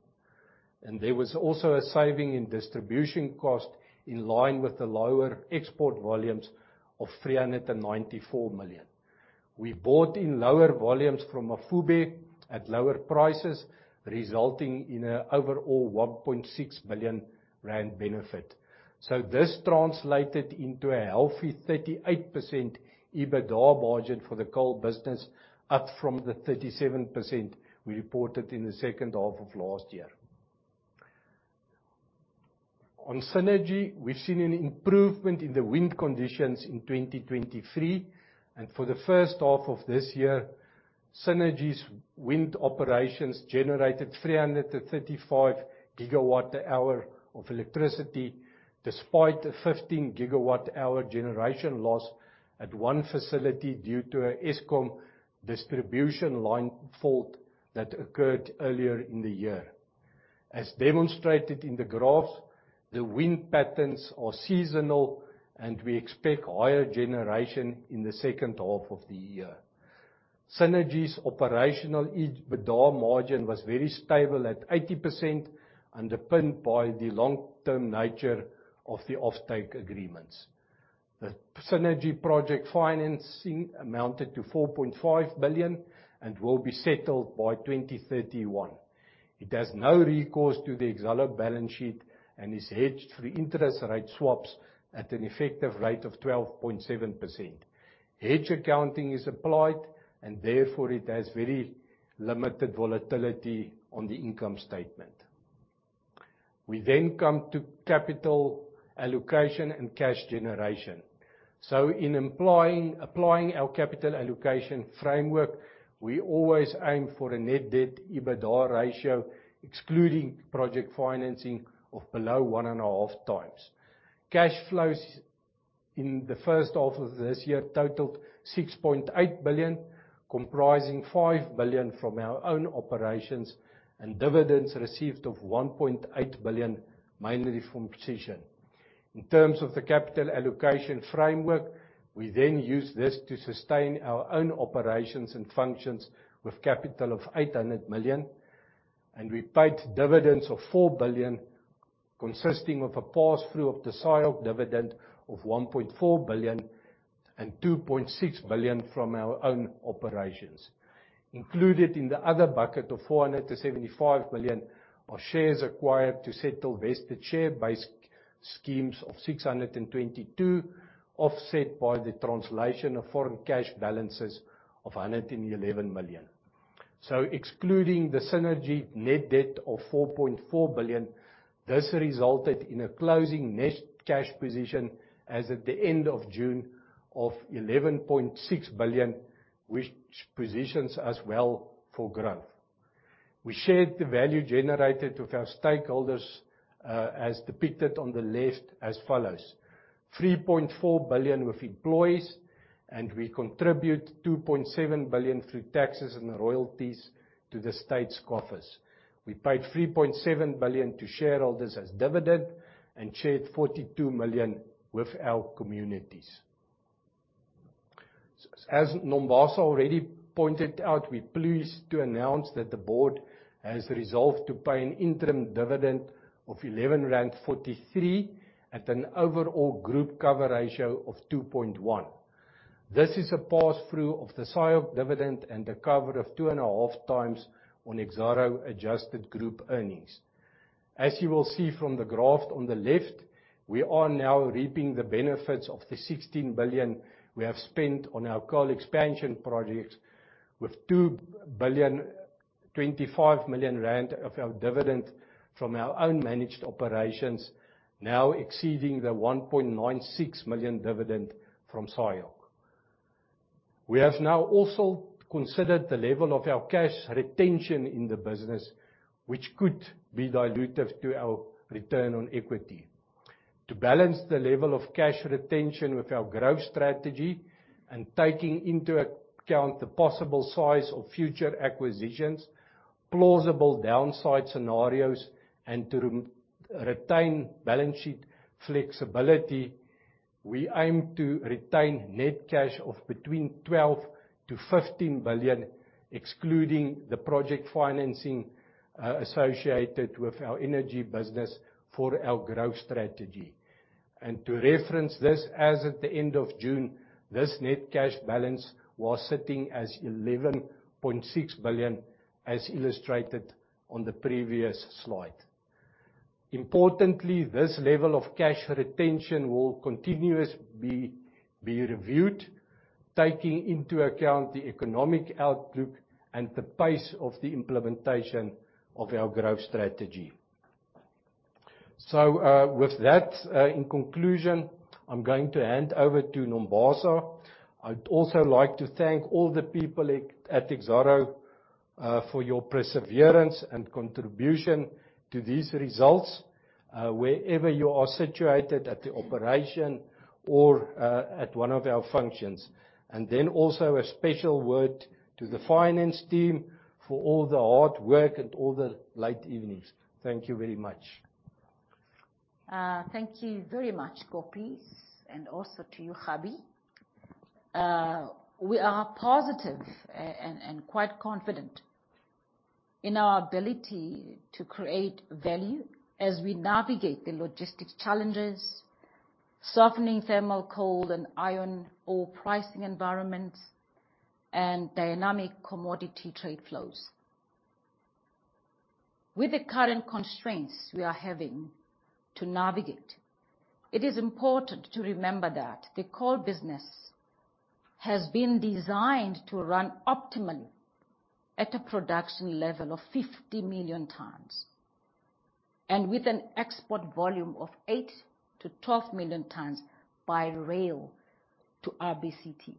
There was also a saving in distribution cost in line with the lower export volumes of 394 million. We bought in lower volumes from Mafube at lower prices, resulting in an overall 1.6 billion rand benefit. This translated into a healthy 38% EBITDA budget for the coal business, up from the 37% we reported in the second half of last year. On Cennergi, we've seen an improvement in the wind conditions in 2023, and for the first half of this year, Cennergi's wind operations generated 335 GWh of electricity, despite a 15 GWh generation loss at one facility due to a Eskom distribution line fault that occurred earlier in the year. As demonstrated in the graphs, the wind patterns are seasonal, and we expect higher generation in the second half of the year. Cennergi's operational EBITDA margin was very stable at 80%, underpinned by the long-term nature of the offtake agreements. The Cennergi project financing amounted to 4.5 billion and will be settled by 2031. It has no recourse to the Exxaro balance sheet, and is hedged through interest rate swaps at an effective rate of 12.7%. Hedge accounting is applied, and therefore it has very limited volatility on the income statement. We then come to capital allocation and cash generation. In implying, applying our capital allocation framework, we always aim for a net debt EBITDA ratio, excluding project financing, of below 1.5 times. Cash flows in the first half of this year totaled 6.8 billion, comprising 5 billion from our own operations, and dividends received of 1.8 billion, mainly from precision. In terms of the capital allocation framework, we then use this to sustain our own operations and functions with capital of 800 million, and we paid dividends of 4 billion, consisting of a pass-through of the SIOC dividend of 1.4 billion and 2.6 billion from our own operations. Included in the other bucket of 475 million, are shares acquired to settle vested share base schemes of 622 million, offset by the translation of foreign cash balances of 111 million. Excluding the Cennergi net debt of 4.4 billion, this resulted in a closing net cash position as at the end of June, of 11.6 billion, which positions us well for growth. We shared the value generated with our stakeholders, as depicted on the left as follows: 3.4 billion with employees, and we contribute 2.7 billion through taxes and royalties to the state's coffers. We paid 3.7 billion to shareholders as dividend, and shared 42 million with our communities. As Nombasa already pointed out, we're pleased to announce that the board has resolved to pay an interim dividend of 11.43, at an overall group cover ratio of 2.1. This is a pass-through of the SIOC dividend and the cover of 2.5 times on Exxaro adjusted group earnings. As you will see from the graph on the left, we are now reaping the benefits of the 16 billion we have spent on our coal expansion projects, with 2.025 billion of our dividend from our own managed operations, now exceeding the 1.96 million dividend from SIOC. We have now also considered the level of our cash retention in the business, which could be dilutive to our return on equity. To balance the level of cash retention with our growth strategy, and taking into account the possible size of future acquisitions, plausible downside scenarios, and to re-retain balance sheet flexibility, we aim to retain net cash of between 12 billion-15 billion, excluding the project financing associated with our energy business for our growth strategy. To reference this, as at the end of June, this net cash balance was sitting as 11.6 billion, as illustrated on the previous slide. Importantly, this level of cash retention will continuously be reviewed, taking into account the economic outlook and the pace of the implementation of our growth strategy. With that, in conclusion, I'm going to hand over to Nombasa. I'd also like to thank all the people at, at Exxaro, for your perseverance and contribution to these results, wherever you are situated, at the operation or, at one of our functions. A special word to the finance team for all the hard work and all the late evenings. Thank you very much. Thank you very much, Koppes, and also to you, Nombasa. We are positive and quite confident in our ability to create value as we navigate the logistics challenges, softening thermal coal and iron ore pricing environments, and dynamic commodity trade flows. With the current constraints we are having to navigate, it is important to remember that the coal business has been designed to run optimally at a production level of 50 million tons, and with an export volume of 8-12 million tons by rail to RBCT.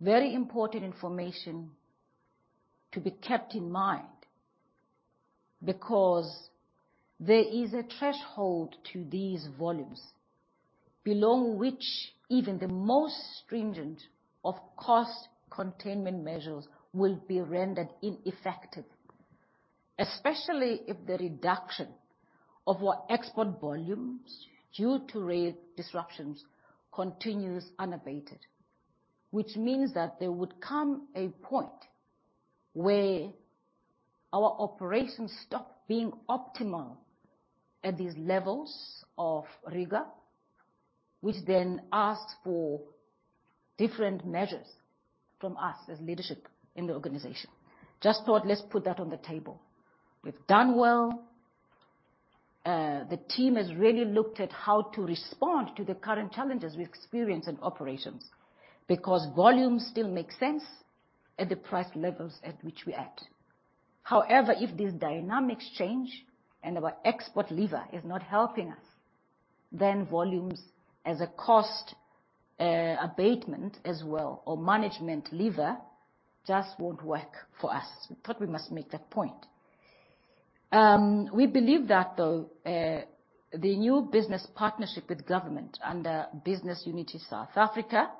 Very important information to be kept in mind, because there is a threshold to these volumes below which even the most stringent of cost containment measures will be rendered ineffective, especially if the reduction of our export volumes due to rail disruptions continues unabated. Which means that there would come a point where our operations stop being optimal at these levels of rigor, which then asks for different measures from us as leadership in the organization. Just thought, let's put that on the table. We've done well. The team has really looked at how to respond to the current challenges we experience in operations, because volume still makes sense at the price levels at which we're at. However, if these dynamics change and our export lever is not helping us, then volumes as a cost abatement as well, or management lever, just won't work for us. I thought we must make that point. We believe that, though, the new business partnership with government under Business Unity South Africa,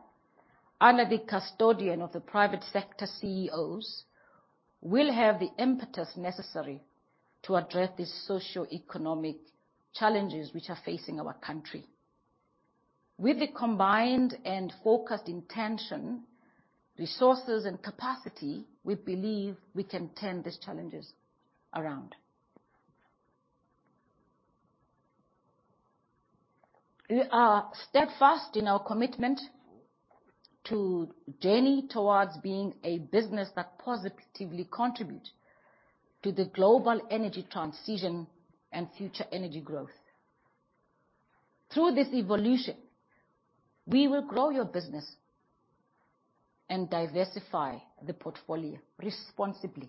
under the custodian of the private sector CEOs, will have the impetus necessary to address these socioeconomic challenges which are facing our country. With a combined and focused intention, resources, and capacity, we believe we can turn these challenges around. We are steadfast in our commitment to journey towards being a business that positively contribute to the global energy transition and future energy growth. Through this evolution, we will grow your business and diversify the portfolio responsibly.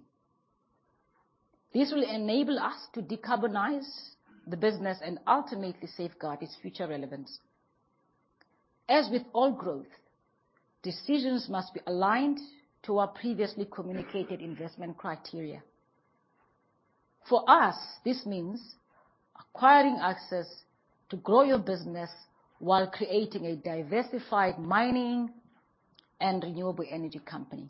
This will enable us to decarbonize the business and ultimately safeguard its future relevance. As with all growth, decisions must be aligned to our previously communicated investment criteria. For us, this means acquiring access to grow your business while creating a diversified mining and renewable energy company.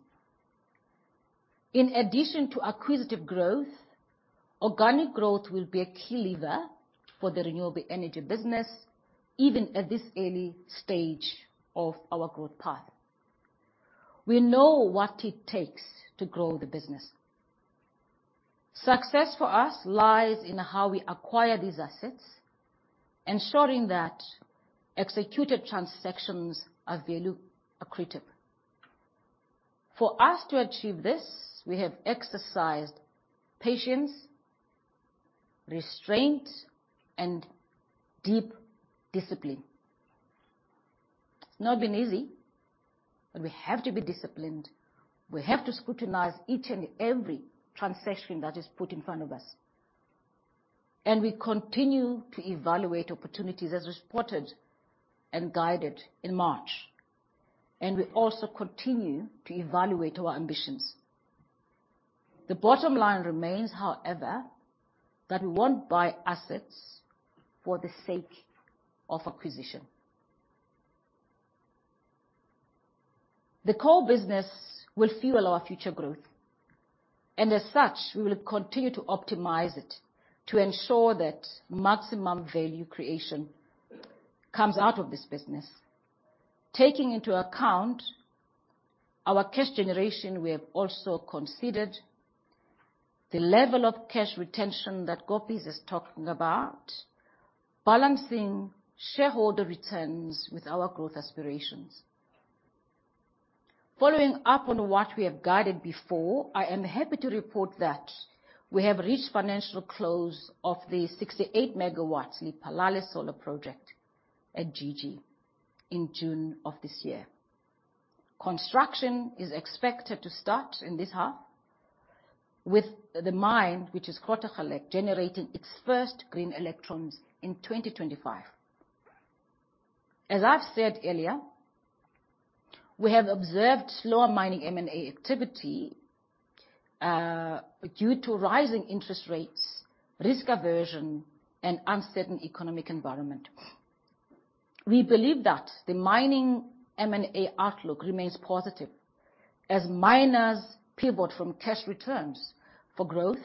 In addition to acquisitive growth, organic growth will be a key lever for the renewable energy business, even at this early stage of our growth path. We know what it takes to grow the business. Success for us lies in how we acquire these assets, ensuring that executed transactions are value accretive. For us to achieve this, we have exercised patience, restraint, and deep discipline. It's not been easy, but we have to be disciplined. We have to scrutinize each and every transaction that is put in front of us. We continue to evaluate opportunities as reported and guided in March, and we also continue to evaluate our ambitions. The bottom line remains, however, that we won't buy assets for the sake of acquisition. The core business will fuel our future growth, as such, we will continue to optimize it to ensure that maximum value creation comes out of this business. Taking into account our cash generation, we have also considered the level of cash retention that Gopis is talking about, balancing shareholder returns with our growth aspirations. Following up on what we have guided before, I am happy to report that we have reached financial close of the 68 megawatts Lephalale Solar Project at Grootegeluk in June of this year. Construction is expected to start in this half, with the mine, which is Grootegeluk, generating its first green electrons in 2025. As I've said earlier, we have observed slower mining M&A activity due to rising interest rates, risk aversion, and uncertain economic environment. We believe that the mining M&A outlook remains positive as miners pivot from cash returns for growth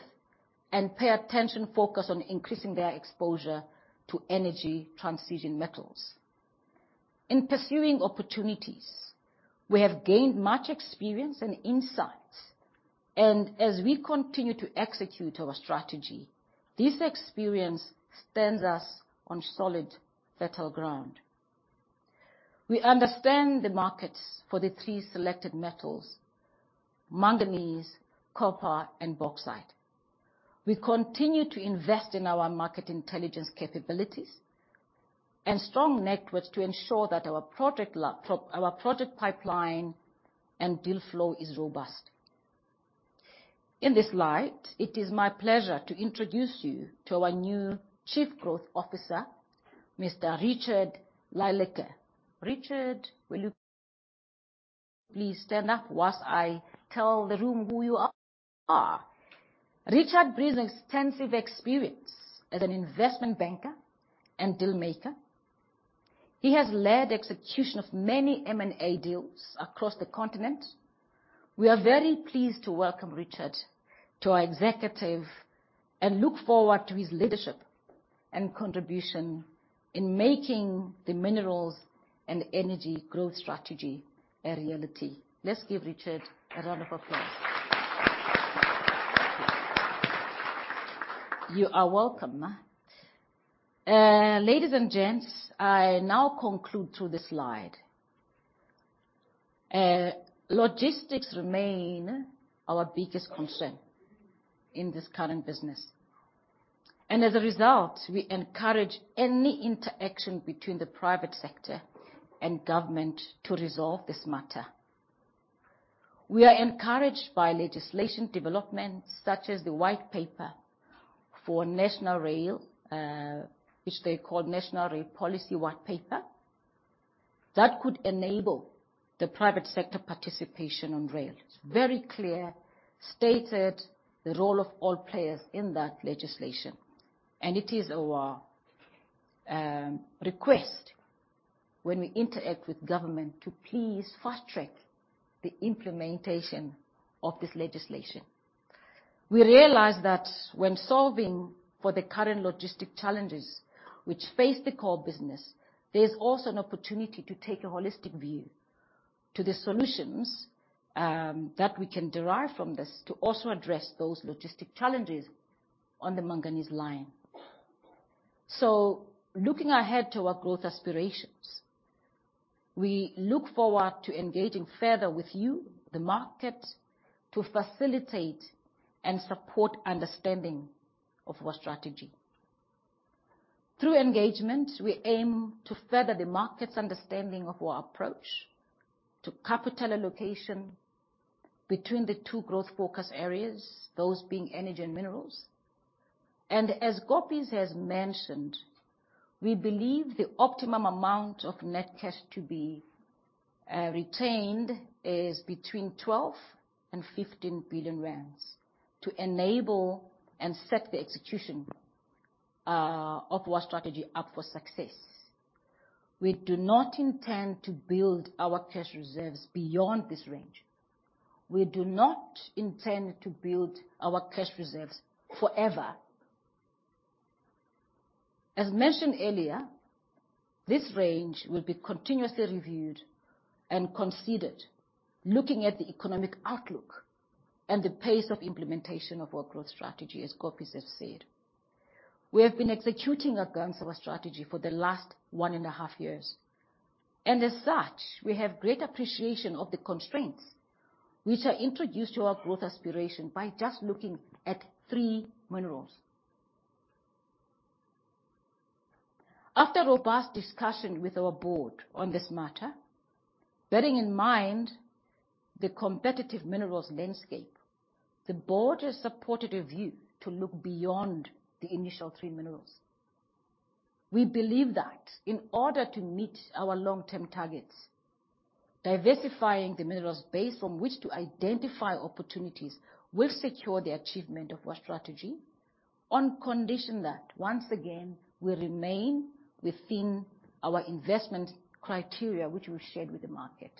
and pay attention, focus on increasing their exposure to energy transition metals. In pursuing opportunities, we have gained much experience and insights, and as we continue to execute our strategy, this experience stands us on solid, fertile ground. We understand the markets for the three selected metals, manganese, copper, and bauxite. We continue to invest in our market intelligence capabilities and strong networks to ensure that our project pipeline and deal flow is robust. In this light, it is my pleasure to introduce you to our new Chief Growth Officer, Mr. Richard Lilleike. Richard, will you please stand up whilst I tell the room who you are? Richard brings extensive experience as an investment banker and deal maker. He has led execution of many M&A deals across the continent. We are very pleased to welcome Richard to our executive and look forward to his leadership and contribution in making the minerals and energy growth strategy a reality. Let's give Richard a round of applause. You are welcome. ladies and gents, I now conclude to this slide. Logistics remain our biggest concern in this current business, and as a result, we encourage any interaction between the private sector and government to resolve this matter. We are encouraged by legislation development, such as the White Paper on National Rail Policy, which they call National Rail Policy White Paper. That could enable the private sector participation on rails. Very clear, stated the role of all players in that legislation, and it is our request when we interact with government to please fast-track the implementation of this legislation. We realize that when solving for the current logistic challenges which face the core business, there's also an opportunity to take a holistic view to the solutions that we can derive from this to also address those logistic challenges on the manganese line. Looking ahead to our growth aspirations, we look forward to engaging further with you, the market, to facilitate and support understanding of our strategy. Through engagement, we aim to further the market's understanding of our approach to capital allocation between the two growth focus areas, those being energy and minerals. As Gopis has mentioned, we believe the optimum amount of net cash to be retained is between 12 billion and 15 billion rand to enable and set the execution of our strategy up for success. We do not intend to build our cash reserves beyond this range. We do not intend to build our cash reserves forever. As mentioned earlier, this range will be continuously reviewed and considered, looking at the economic outlook and the pace of implementation of our growth strategy, as Gopis has said. As such, we have been executing against our strategy for the last one and a half years, and we have great appreciation of the constraints which are introduced to our growth aspiration by just looking at three minerals. After a robust discussion with our board on this matter, bearing in mind the competitive minerals landscape, the board has supported a view to look beyond the initial three minerals. We believe that in order to meet our long-term targets, diversifying the minerals base from which to identify opportunities will secure the achievement of our strategy, on condition that, once again, we remain within our investment criteria, which we've shared with the market.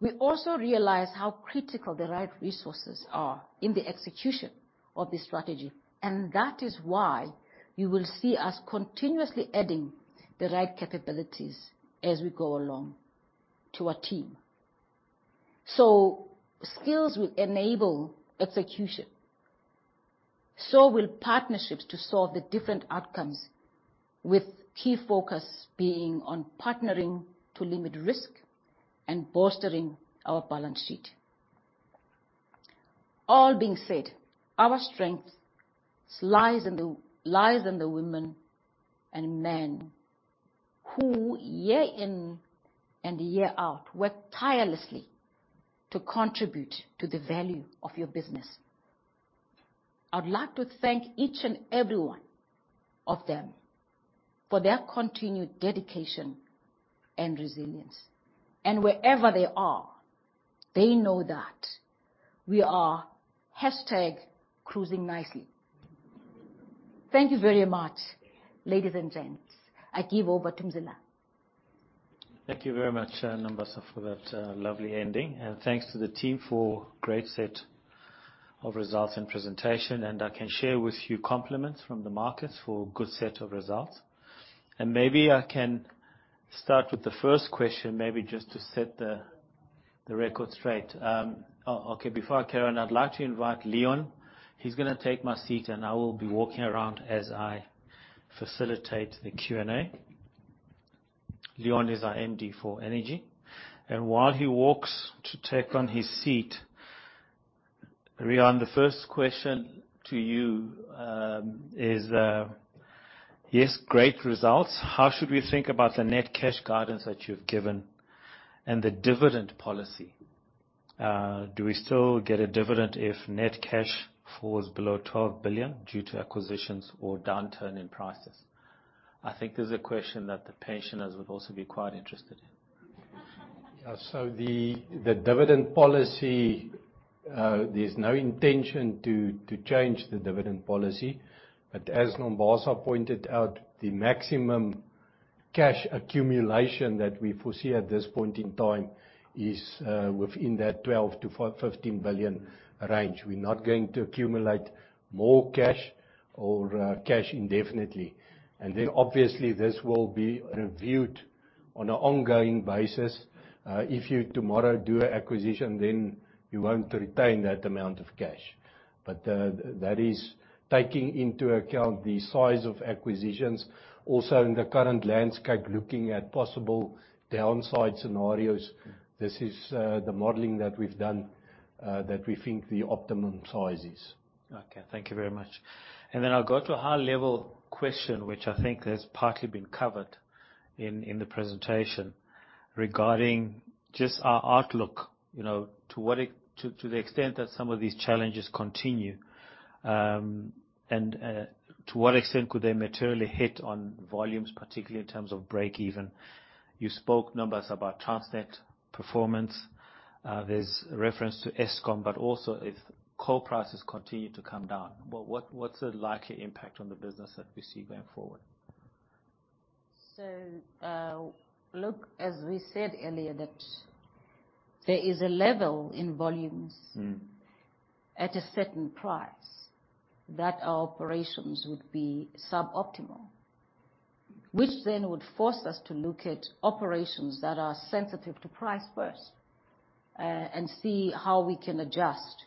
We also realize how critical the right resources are in the execution of this strategy, and that is why you will see us continuously adding the right capabilities as we go along to our team. Skills will enable execution, so will partnerships to solve the different outcomes, with key focus being on partnering to limit risk and bolstering our balance sheet. All being said, our strengths lies in the, lies in the women and men who, year in and year out, work tirelessly to contribute to the value of your business. I would like to thank each and every one of them for their continued dedication and resilience, and wherever they are, they know that we are hashtag cruising nicely. Thank you very much, ladies and gents. I give over to Mzila. Thank you very much, Nombasa, for that lovely ending. Thanks to the team for a great set of results and presentation. I can share with you compliments from the markets for a good set of results. Maybe I can start with the first question, maybe just to set the record straight. Oh, okay, before I carry on, I'd like to invite Leon. He's gonna take my seat, and I will be walking around as I facilitate the Q&A. Leon is our MD for energy, and while he walks to take on his seat, Rian, the first question to you is, yes, great results. How should we think about the net cash guidance that you've given and the dividend policy? Do we still get a dividend if net cash falls below 12 billion due to acquisitions or downturn in prices? I think this is a question that the Pensioners would also be quite interested in. The, the dividend policy, there's no intention to, to change the dividend policy, but as Nombasa pointed out, the maximum cash accumulation that we foresee at this point in time is within that 12 billion-15 billion range. We're not going to accumulate more cash or cash indefinitely, and then, obviously, this will be reviewed on an ongoing basis. If you tomorrow do an acquisition, then you won't retain that amount of cash. That is taking into account the size of acquisitions, also in the current landscape, looking at possible downside scenarios. This is the modeling that we've done, that we think the optimum size is. Okay. Thank you very much. Then I'll go to a high-level question, which I think has partly been covered in, in the presentation, regarding just our outlook, you know, to what to, to the extent that some of these challenges continue, and to what extent could they materially hit on volumes, particularly in terms of break even? You spoke, Nombasa, about Transnet performance. There's reference to Eskom, but also, if coal prices continue to come down, what, what's the likely impact on the business that we see going forward? Look, as we said earlier, that there is a level in volumes at a certain price, that our operations would be suboptimal, which then would force us to look at operations that are sensitive to price first, and see how we can adjust.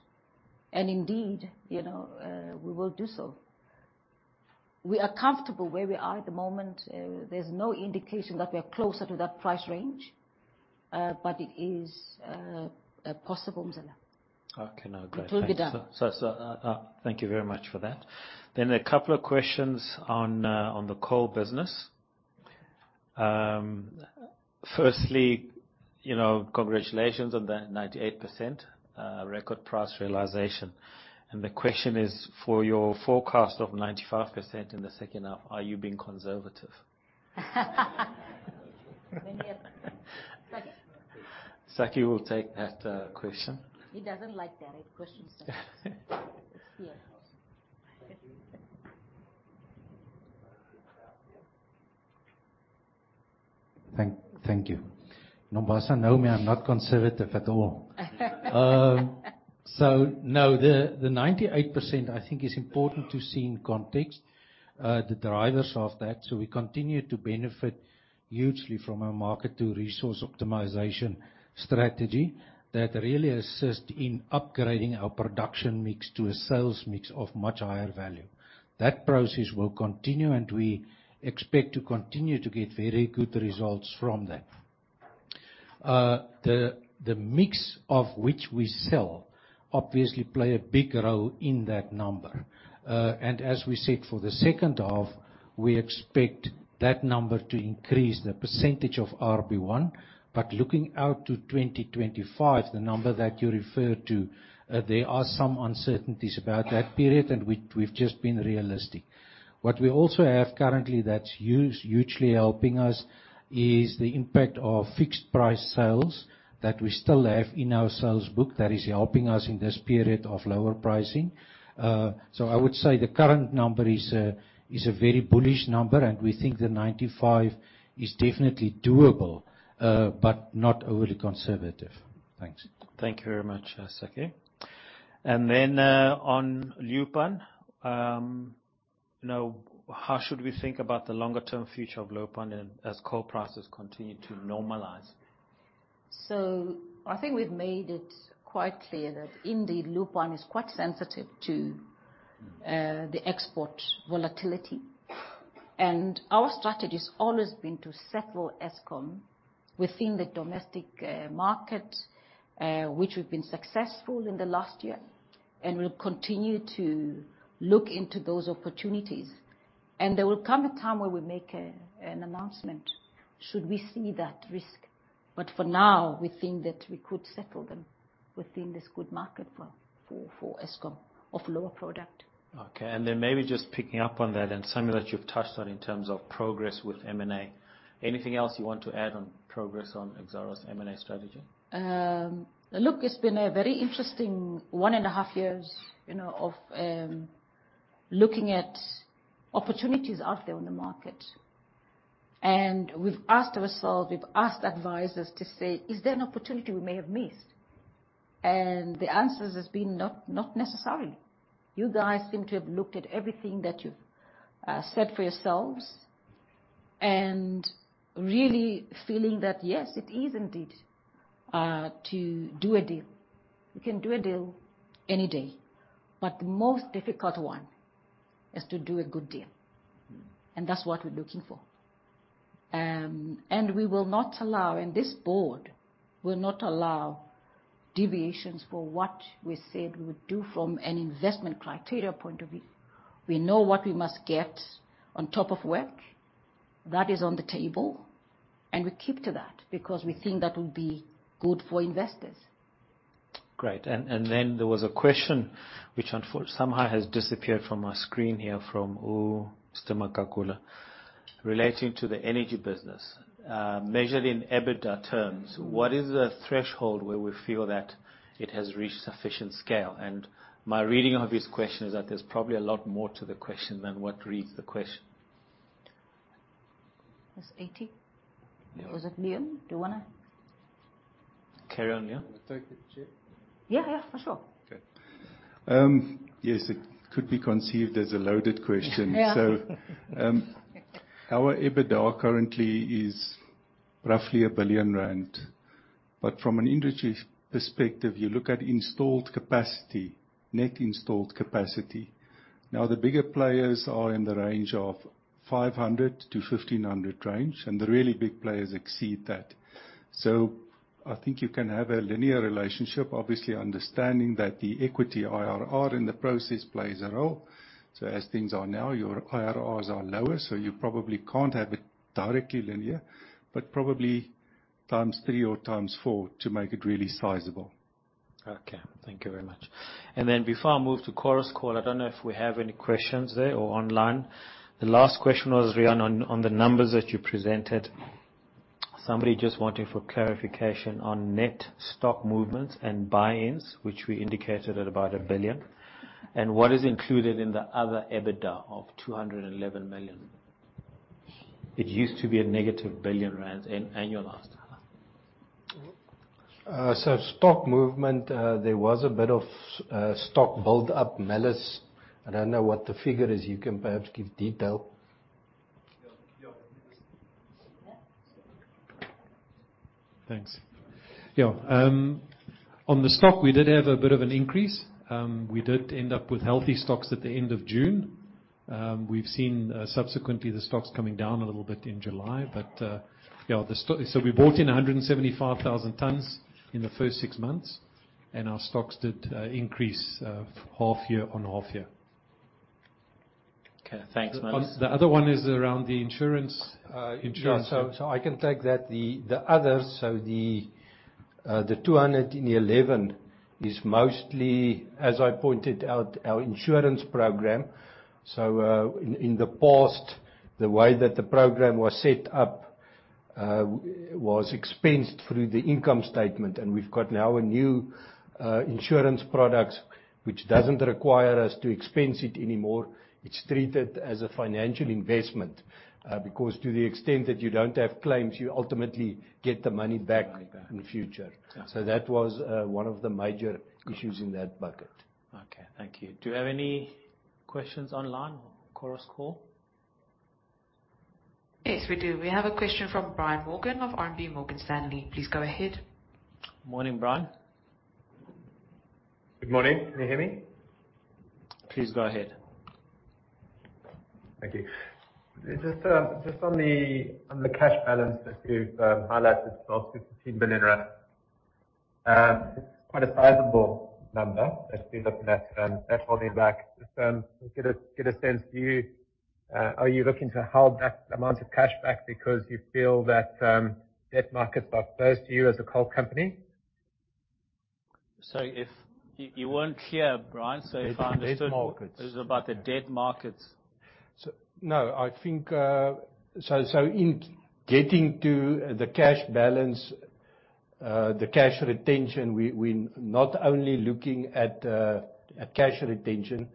Indeed, you know, we will do so. We are comfortable where we are at the moment. There's no indication that we are closer to that price range, but it is possible, Mzila. Okay, now, great. It will be done. Thank you very much for that. A couple of questions on the coal business. Firstly, you know, congratulations on the 98% record price realization. The question is, for your forecast of 95% in the second half, are you being conservative? Saki will take that question. He doesn't like that question, so. Thank, thank you. Nombasa know me, I'm not conservative at all. No, the, the 98%, I think, is important to see in context, the drivers of that. We continue to benefit hugely from our market-to-resource optimization strategy that really assist in upgrading our production mix to a sales mix of much higher value. That process will continue, and we expect to continue to get very good results from that. The, the mix of which we sell obviously play a big role in that number. As we said, for the second half, we expect that number to increase the percentage of RB1. Looking out to 2025, the number that you referred to, there are some uncertainties about that period, and we, we've just been realistic. What we also have currently that's huge, hugely helping us, is the impact of fixed price sales that we still have in our sales book. That is helping us in this period of lower pricing. I would say the current number is a, is a very bullish number, and we think the 95 is definitely doable, but not overly conservative. Thanks. Thank you very much, Saki. Then, on Leeuwpan, you know, how should we think about the longer-term future of Leeuwpan as coal prices continue to normalize? I think we've made it quite clear that indeed, Leeuwpan is quite sensitive to the export volatility. Our strategy has always been to settle Eskom within the domestic market, which we've been successful in the last year, and we'll continue to look into those opportunities. There will come a time where we make an announcement, should we see that risk. For now, we think that we could settle them within this good market for Eskom of lower product. Okay, then maybe just picking up on that, and something that you've touched on in terms of progress with M&A. Anything else you want to add on progress on Exxaro's M&A strategy? look, it's been a very interesting 1.5 years, you know, of looking at opportunities out there on the market. We've asked ourselves, we've asked advisors to say: "Is there an opportunity we may have missed?" The answer has been, "Not, not necessarily. You guys seem to have looked at everything that you've set for yourselves," and really feeling that, yes, it is indeed to do a deal. You can do a deal any day, but the most difficult one is to do a good deal, and that's what we're looking for. We will not allow, and this board will not allow deviations for what we said we would do from an investment criteria point of view. We know what we must get on top of WACC. That is on the table, and we keep to that because we think that will be good for investors. Great. Then there was a question which somehow has disappeared from my screen here, from Mr. Makakula, relating to the energy business. Measured in EBITDA terms, what is the threshold where we feel that it has reached sufficient scale? My reading of his question is that there's probably a lot more to the question than what reads the question. It's 80. Yeah. Was it Leon? Do you wanna Carry on, yeah. I'll take the chair. Yeah, yeah, for sure. Okay. Yes, it could be conceived as a loaded question. Yeah. Our EBITDA currently is roughly 1 billion rand, but from an industry perspective, you look at installed capacity, net installed capacity. The bigger players are in the 500-1,500 range, and the really big players exceed that. I think you can have a linear relationship, obviously understanding that the equity IRR in the process plays a role. As things are now, your IRRs are lower, you probably can't have it directly linear, but probably 3 times or 4 times to make it really sizable. Okay, thank you very much. Then before I move to Chorus Call, I don't know if we have any questions there or online. The last question was, Riaan, on, on the numbers that you presented. Somebody just wanting for clarification on net stock movements and buy-ins, which we indicated at about 1 billion, and what is included in the other EBITDA of 211 million. It used to be a negative 1 billion rand in annual last time. Stock movement, there was a bit of stock build up, Melis. I don't know what the figure is. You can perhaps give detail. Yeah, yeah. Yeah. Thanks. Yeah, on the stock, we did have a bit of an increase. We did end up with healthy stocks at the end of June. We've seen subsequently the stocks coming down a little bit in July. Yeah, the stock. We bought in 175,000 tons in the first six months, and our stocks did increase half-year on half-year. Okay, thanks, Melis. The other one is around the insurance, insurance. Yeah. I can take that. The, the other, the 211 is mostly, as I pointed out, our insurance program. In, in the past, the way that the program was set up, was expensed through the income statement, and we've got now a new, insurance product, which doesn't require us to expense it anymore. It's treated as a financial investment, because to the extent that you don't have claims, you ultimately get the money back. Money back. in the future. Yeah. That was one of the major issues in that bucket. Okay, thank you. Do you have any questions online, Chorus Call? Yes, we do. We have a question from Brian Morgan of RMB Morgan Stanley. Please go ahead. Morning, Brian. Good morning. Can you hear me? Please go ahead. Thank you. Just, just on the, on the cash balance that you've, highlighted, 12 billion rand. It's quite a sizable number as we look at, that holding back. Just, get a, get a sense, are you looking to hold that amount of cash back because you feel that, debt markets are closed to you as a coal company? You weren't clear, Brian. Debt markets. It was about the debt markets. No, I think, so in getting to the cash balance, the cash retention, we not only looking at cash retention.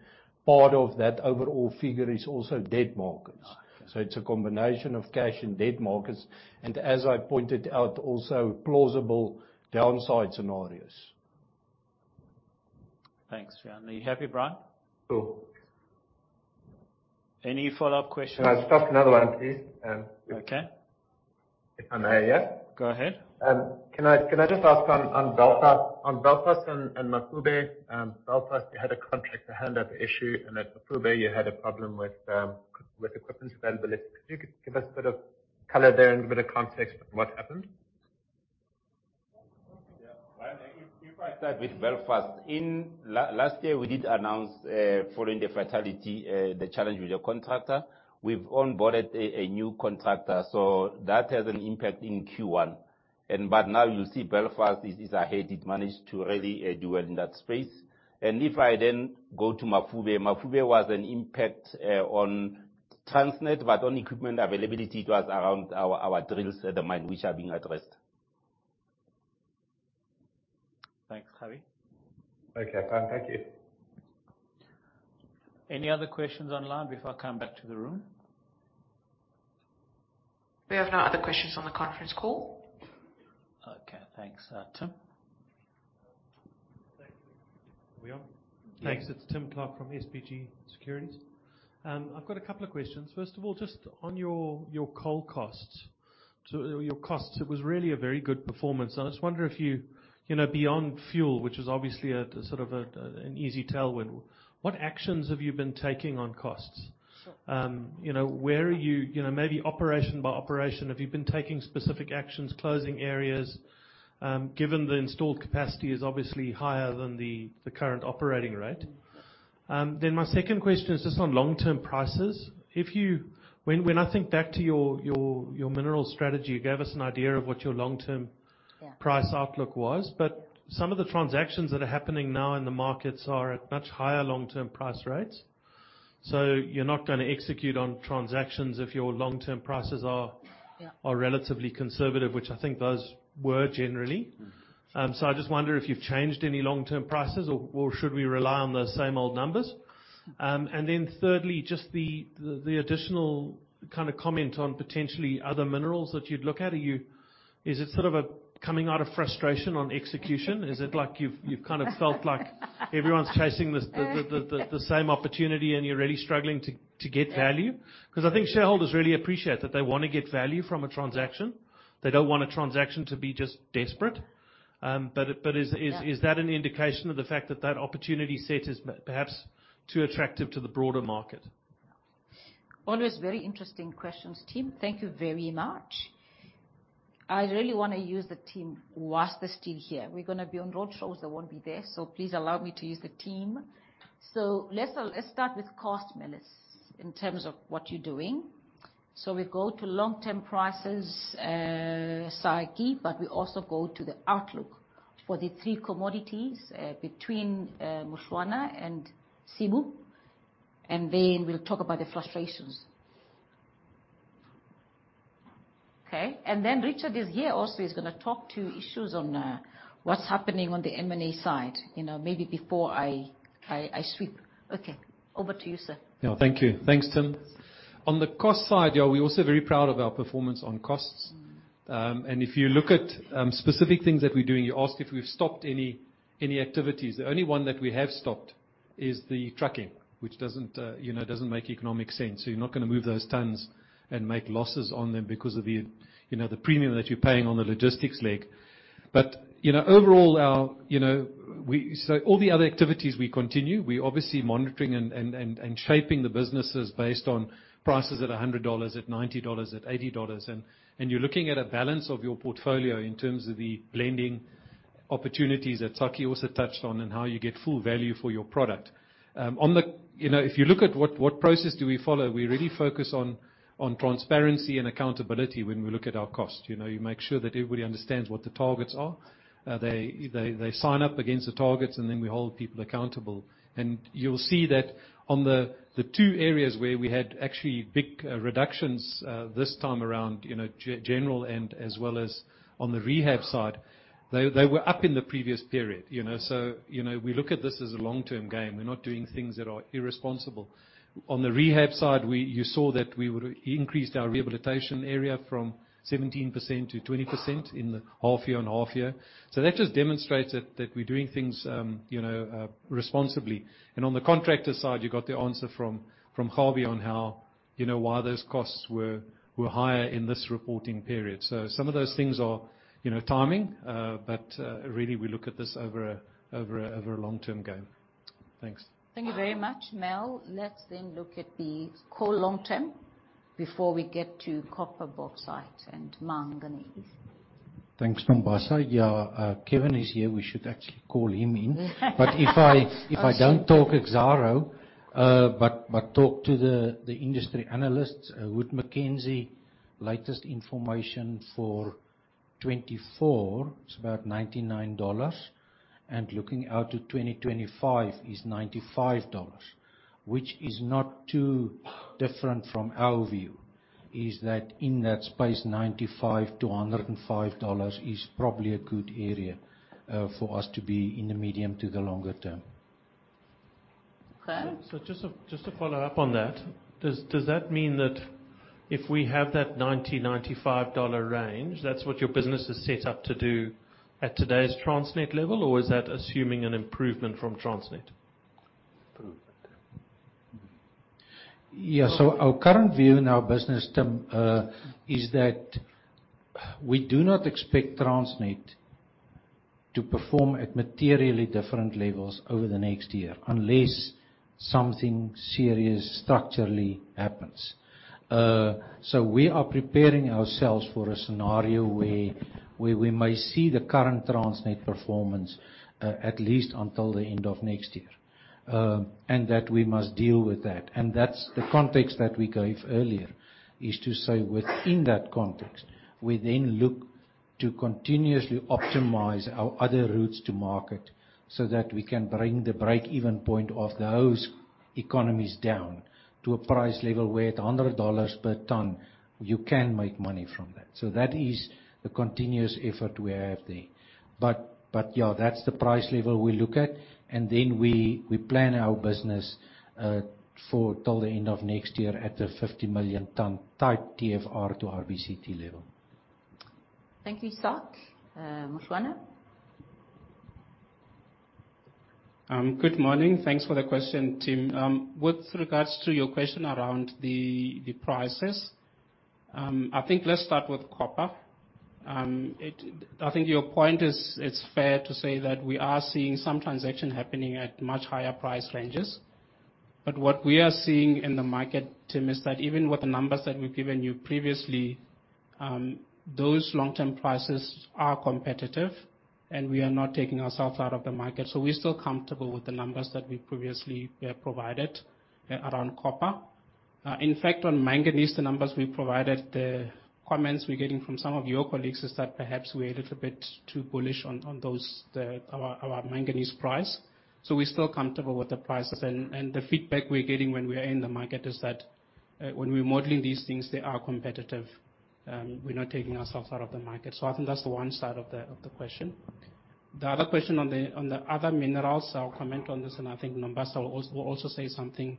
Part of that overall figure is also debt markets. Ah. It's a combination of cash and debt markets, and as I pointed out, also plausible downside scenarios. Thanks, Jan. Are you happy, Brian? Cool. Any follow-up questions? Can I ask another one, please? Okay. If I'm there yet. Go ahead. Can I, can I just ask on, on Belfast? On Belfast and, and Mafube, Belfast, you had a contract to hand up issue, and at Mafube, you had a problem with, with equipment availability. Could you give us a bit of color there and a bit of context what happened? Yeah. Well, if, if I start with Belfast, in last year, we did announce, following the fatality, the challenge with your contractor. We've onboarded a new contractor, so that has an impact in Q1. Now you see Belfast is ahead. It managed to really do well in that space. If I then go to Mafube, Mafube was an impact on Transnet, but on equipment availability, it was around our drills at the mine, which are being addressed. Thanks, Kgabi. Okay, fine. Thank you. Any other questions online before I come back to the room? We have no other questions on the conference call. Okay, thanks. Tim? Thank you. Are we on? Yeah. Thanks. It's Tim Clark from SBG Securities. I've got a couple of questions. First of all, just on your, your coal costs, so your costs, it was really a very good performance, and I just wonder if you, you know, beyond fuel, which is obviously a, sort of a, an easy tailwind, what actions have you been taking on costs? You know, where are you? You know, maybe operation by operation, have you been taking specific actions, closing areas, given the installed capacity is obviously higher than the current operating rate? My second question is just on long-term prices. When I think back to your, your, your mineral strategy, you gave us an idea of what your long-term. Yeah. price outlook was, some of the transactions that are happening now in the markets are at much higher long-term price rates. You're not gonna execute on transactions if your long-term prices are Yeah. are relatively conservative, which I think those were generally. I just wonder if you've changed any long-term prices or, or should we rely on the same old numbers? Then thirdly, just the, the, the additional kind of comment on potentially other minerals that you'd look at. Are you is it sort of a coming out of frustration on execution? Is it like you've, you've kind of felt like everyone's chasing the same opportunity and you're really struggling to, to get value? Yeah. 'Cause I think shareholders really appreciate that they wanna get value from a transaction. They don't want a transaction to be just desperate. Is Yeah. Is that an indication of the fact that that opportunity set is perhaps too attractive to the broader market? Always very interesting questions, Tim. Thank you very much. I really wanna use the team whilst they're still here. We're gonna be on road shows, they won't be there, so please allow me to use the team. Let's let's start with cost, Melis, in terms of what you're doing. We go to long-term prices, Saiki, but we also go to the outlook for the three commodities, between Mushwana and Sibu, and then we'll talk about the frustrations. Okay, then Richard is here also. He's gonna talk to issues on what's happening on the M&A side, you know, maybe before I sweep. Okay. Over to you, sir. Yeah, thank you. Thanks, Tim. On the cost side, yeah, we're also very proud of our performance on costs. If you look at specific things that we're doing, you asked if we've stopped any, any activities. The only one that we have stopped is the trucking, which doesn't, you know, doesn't make economic sense, so you're not gonna move those tons and make losses on them because of the, you know, the premium that you're paying on the logistics leg. You know, overall, our, you know, so all the other activities we continue. We're obviously monitoring and shaping the businesses based on prices at $100, at $90, at $80, and you're looking at a balance of your portfolio in terms of the blending opportunities that Saiki also touched on and how you get full value for your product. On the you know, if you look at what process do we follow, we really focus on transparency and accountability when we look at our costs. You know, you make sure that everybody understands what the targets are. They sign up against the targets, and then we hold people accountable. You'll see that on the, the two areas where we had actually big reductions this time around, you know, general and as well as on the rehab side, they, they were up in the previous period, you know. You know, we look at this as a long-term game. We're not doing things that are irresponsible. On the rehab side, you saw that we would increase our rehabilitation area from 17% to 20% in the half year on half year. That just demonstrates that, that we're doing things, you know, responsibly. On the contractor side, you got the answer from, from Kgabi on how you know, why those costs were, were higher in this reporting period. Some of those things are, you know, timing, but, really, we look at this over a long-term game. Thanks. Thank you very much, Mel. Let's then look at the coal long term before we get to copper, bauxite, and manganese. Thanks, Nombasa. Yeah, Kevin is here. We should actually call him in. If I don't talk Exxaro, but, but talk to the, the industry analysts, Wood Mackenzie, latest information for 2024 is about $99, and looking out to 2025 is $95, which is not too different from our view, is that in that space, $95-$105 is probably a good area for us to be in the medium to the longer term. Okay. Just to follow up on that, does that mean that if we have that $90-$95 range, that's what your business is set up to do at today's Transnet level, or is that assuming an improvement from Transnet? Improvement. Yes, our current view in our business, Tim, is that we do not expect Transnet to perform at materially different levels over the next year, unless something serious structurally happens. We are preparing ourselves for a scenario where, where we may see the current Transnet performance, at least until the end of next year, and that we must deal with that. That's the context that we gave earlier, is to say, within that context, we then look to continuously optimize our other routes to market so that we can bring the break-even point of those economies down to a price level where at $100 per ton, you can make money from that. That is a continuous effort we have there. Yeah, that's the price level we look at, and then we, we plan our business, for till the end of next year at a 50 million ton type TFR to RBCT level. Thank you, Saki. Mokgwana? Good morning. Thanks for the question, Tim. With regards to your question around the prices, I think let's start with copper. I think your point is, it's fair to say that we are seeing some transaction happening at much higher price ranges, but what we are seeing in the market, Tim, is that even with the numbers that we've given you previously, those long-term prices are competitive, and we are not taking ourselves out of the market. We're still comfortable with the numbers that we previously provided around copper. In fact, on manganese, the numbers we provided, the comments we're getting from some of your colleagues, is that perhaps we're a little bit too bullish on, on those, the, our, our manganese price. We're still comfortable with the prices, and, and the feedback we're getting when we are in the market is that, when we're modeling these things, they are competitive. We're not taking ourselves out of the market. I think that's the one side of the, of the question. The other question on the, on the other minerals, I'll comment on this, and I think Nombasa will also, will also say something.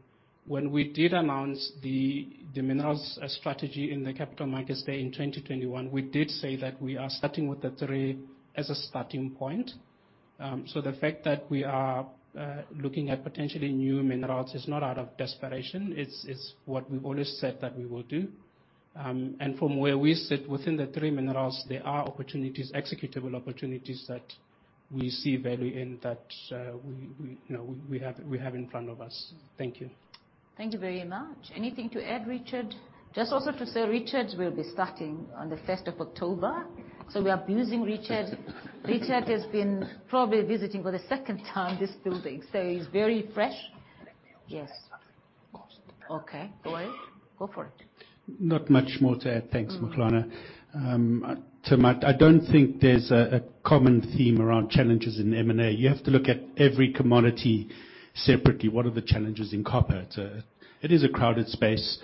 When we did announce the, the minerals strategy in the capital markets day in 2021, we did say that we are starting with the three as a starting point. The fact that we are looking at potentially new minerals is not out of desperation. It's, it's what we've always said that we will do. From where we sit, within the three minerals, there are opportunities, executable opportunities, that we see value in, that, we, we, you know, we have, we have in front of us. Thank you. Thank you very much. Anything to add, Richard? Just also to say, Richard will be starting on the first of October. We are abusing Richard. Richard has been probably visiting for the second time, this building. He's very fresh. Yes. Okay, go ahead. Go for it. Not much more to add. Thanks, Mokgwana. Tim, I don't think there's a, a common theme around challenges in M&A. You have to look at every commodity separately. What are the challenges in copper? It is a crowded space.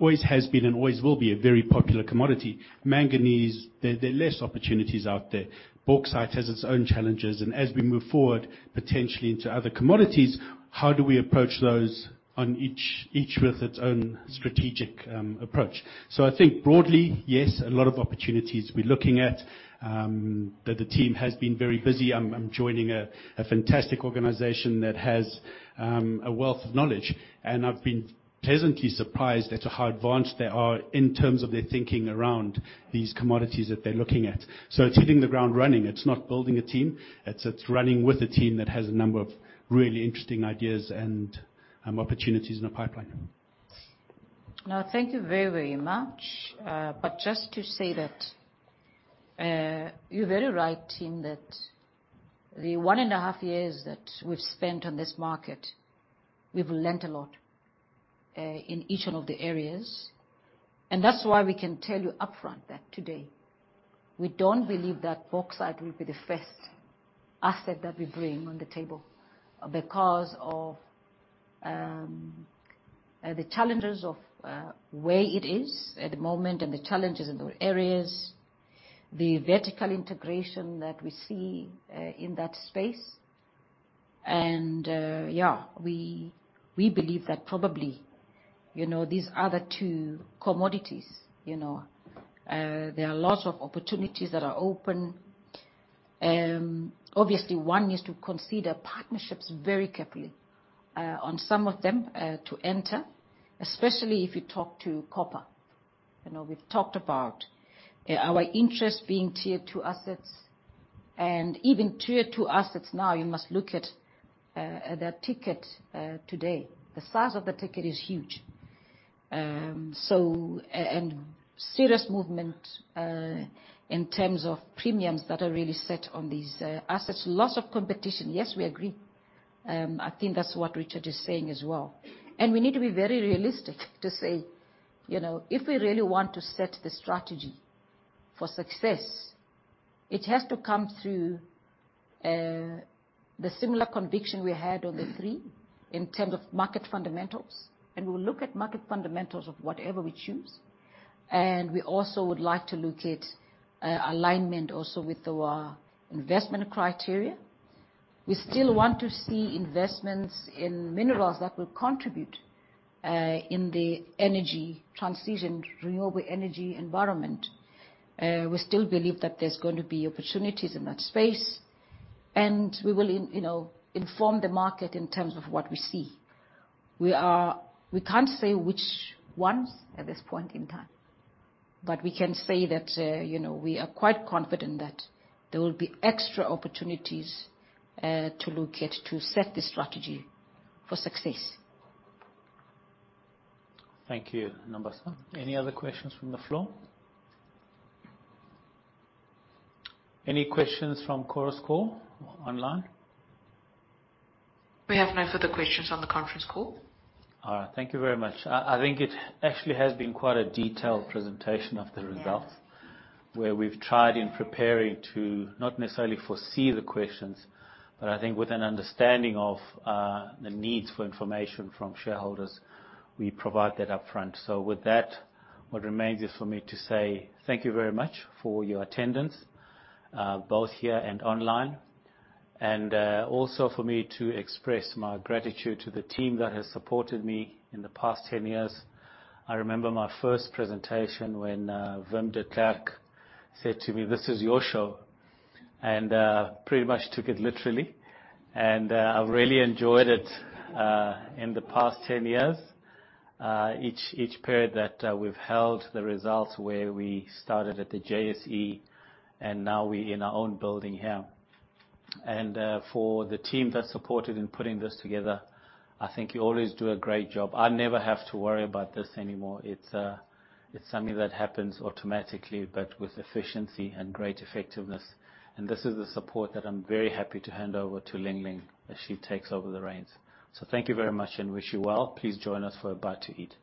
Always has been and always will be a very popular commodity. Manganese, there, there are less opportunities out there. bauxite has its own challenges, and as we move forward, potentially into other commodities, how do we approach those on each, each with its own strategic, approach? I think broadly, yes, a lot of opportunities we're looking at, that the team has been very busy. I'm, I'm joining a, a fantastic organization that has a wealth of knowledge, and I've been pleasantly surprised at how advanced they are in terms of their thinking around these commodities that they're looking at. It's hitting the ground running. It's not building a team. It's, it's running with a team that has a number of really interesting ideas and opportunities in the pipeline. Thank you very, very much. Just to say that you're very right, Tim, that the one and a half years that we've spent on this market, we've learnt a lot in each one of the areas. That's why we can tell you upfront that today, we don't believe that bauxite will be the first asset that we bring on the table, because of the challenges of where it is at the moment, and the challenges in those areas, the vertical integration that we see in that space. Yeah, we, we believe that probably, you know, these other two commodities, you know, there are lots of opportunities that are open. Obviously, one needs to consider partnerships very carefully on some of them to enter, especially if you talk to copper. You know, we've talked about our interest being tier-two assets, and even tier-two assets now, you must look at their ticket today. The size of the ticket is huge. So and serious movement in terms of premiums that are really set on these assets. Lots of competition, yes, we agree. I think that's what Richard is saying as well. We need to be very realistic to say, you know, if we really want to set the strategy for success, it has to come through the similar conviction we had on the three in terms of market fundamentals, and we'll look at market fundamentals of whatever we choose. We also would like to look at alignment also with our investment criteria. We still want to see investments in minerals that will contribute in the energy transition, renewable energy environment. We still believe that there's going to be opportunities in that space, and we will in, you know, inform the market in terms of what we see. We can't say which ones at this point in time, but we can say that, you know, we are quite confident that there will be extra opportunities to look at to set the strategy for success. Thank you, Nhlanhla. Any other questions from the floor? Any questions from Chorus Call or online? We have no further questions on the conference call. All right. Thank you very much. I think it actually has been quite a detailed presentation of the results. Yeah. where we've tried in preparing to not necessarily foresee the questions, but I think with an understanding of the needs for information from shareholders, we provide that upfront. With that, what remains is for me to say thank you very much for your attendance, both here and online, and also for me to express my gratitude to the team that has supported me in the past 10 years. I remember my first presentation when Wim de Klerk said to me, "This is your show," and pretty much took it literally. I've really enjoyed it in the past 10 years, each, each period that we've held the results where we started at the JSE, and now we're in our own building here. For the team that supported in putting this together, I think you always do a great job. I never have to worry about this anymore. It's something that happens automatically, but with efficiency and great effectiveness. This is the support that I'm very happy to hand over to Ling-Ling as she takes over the reins. Thank you very much and wish you well. Please join us for a bite to eat.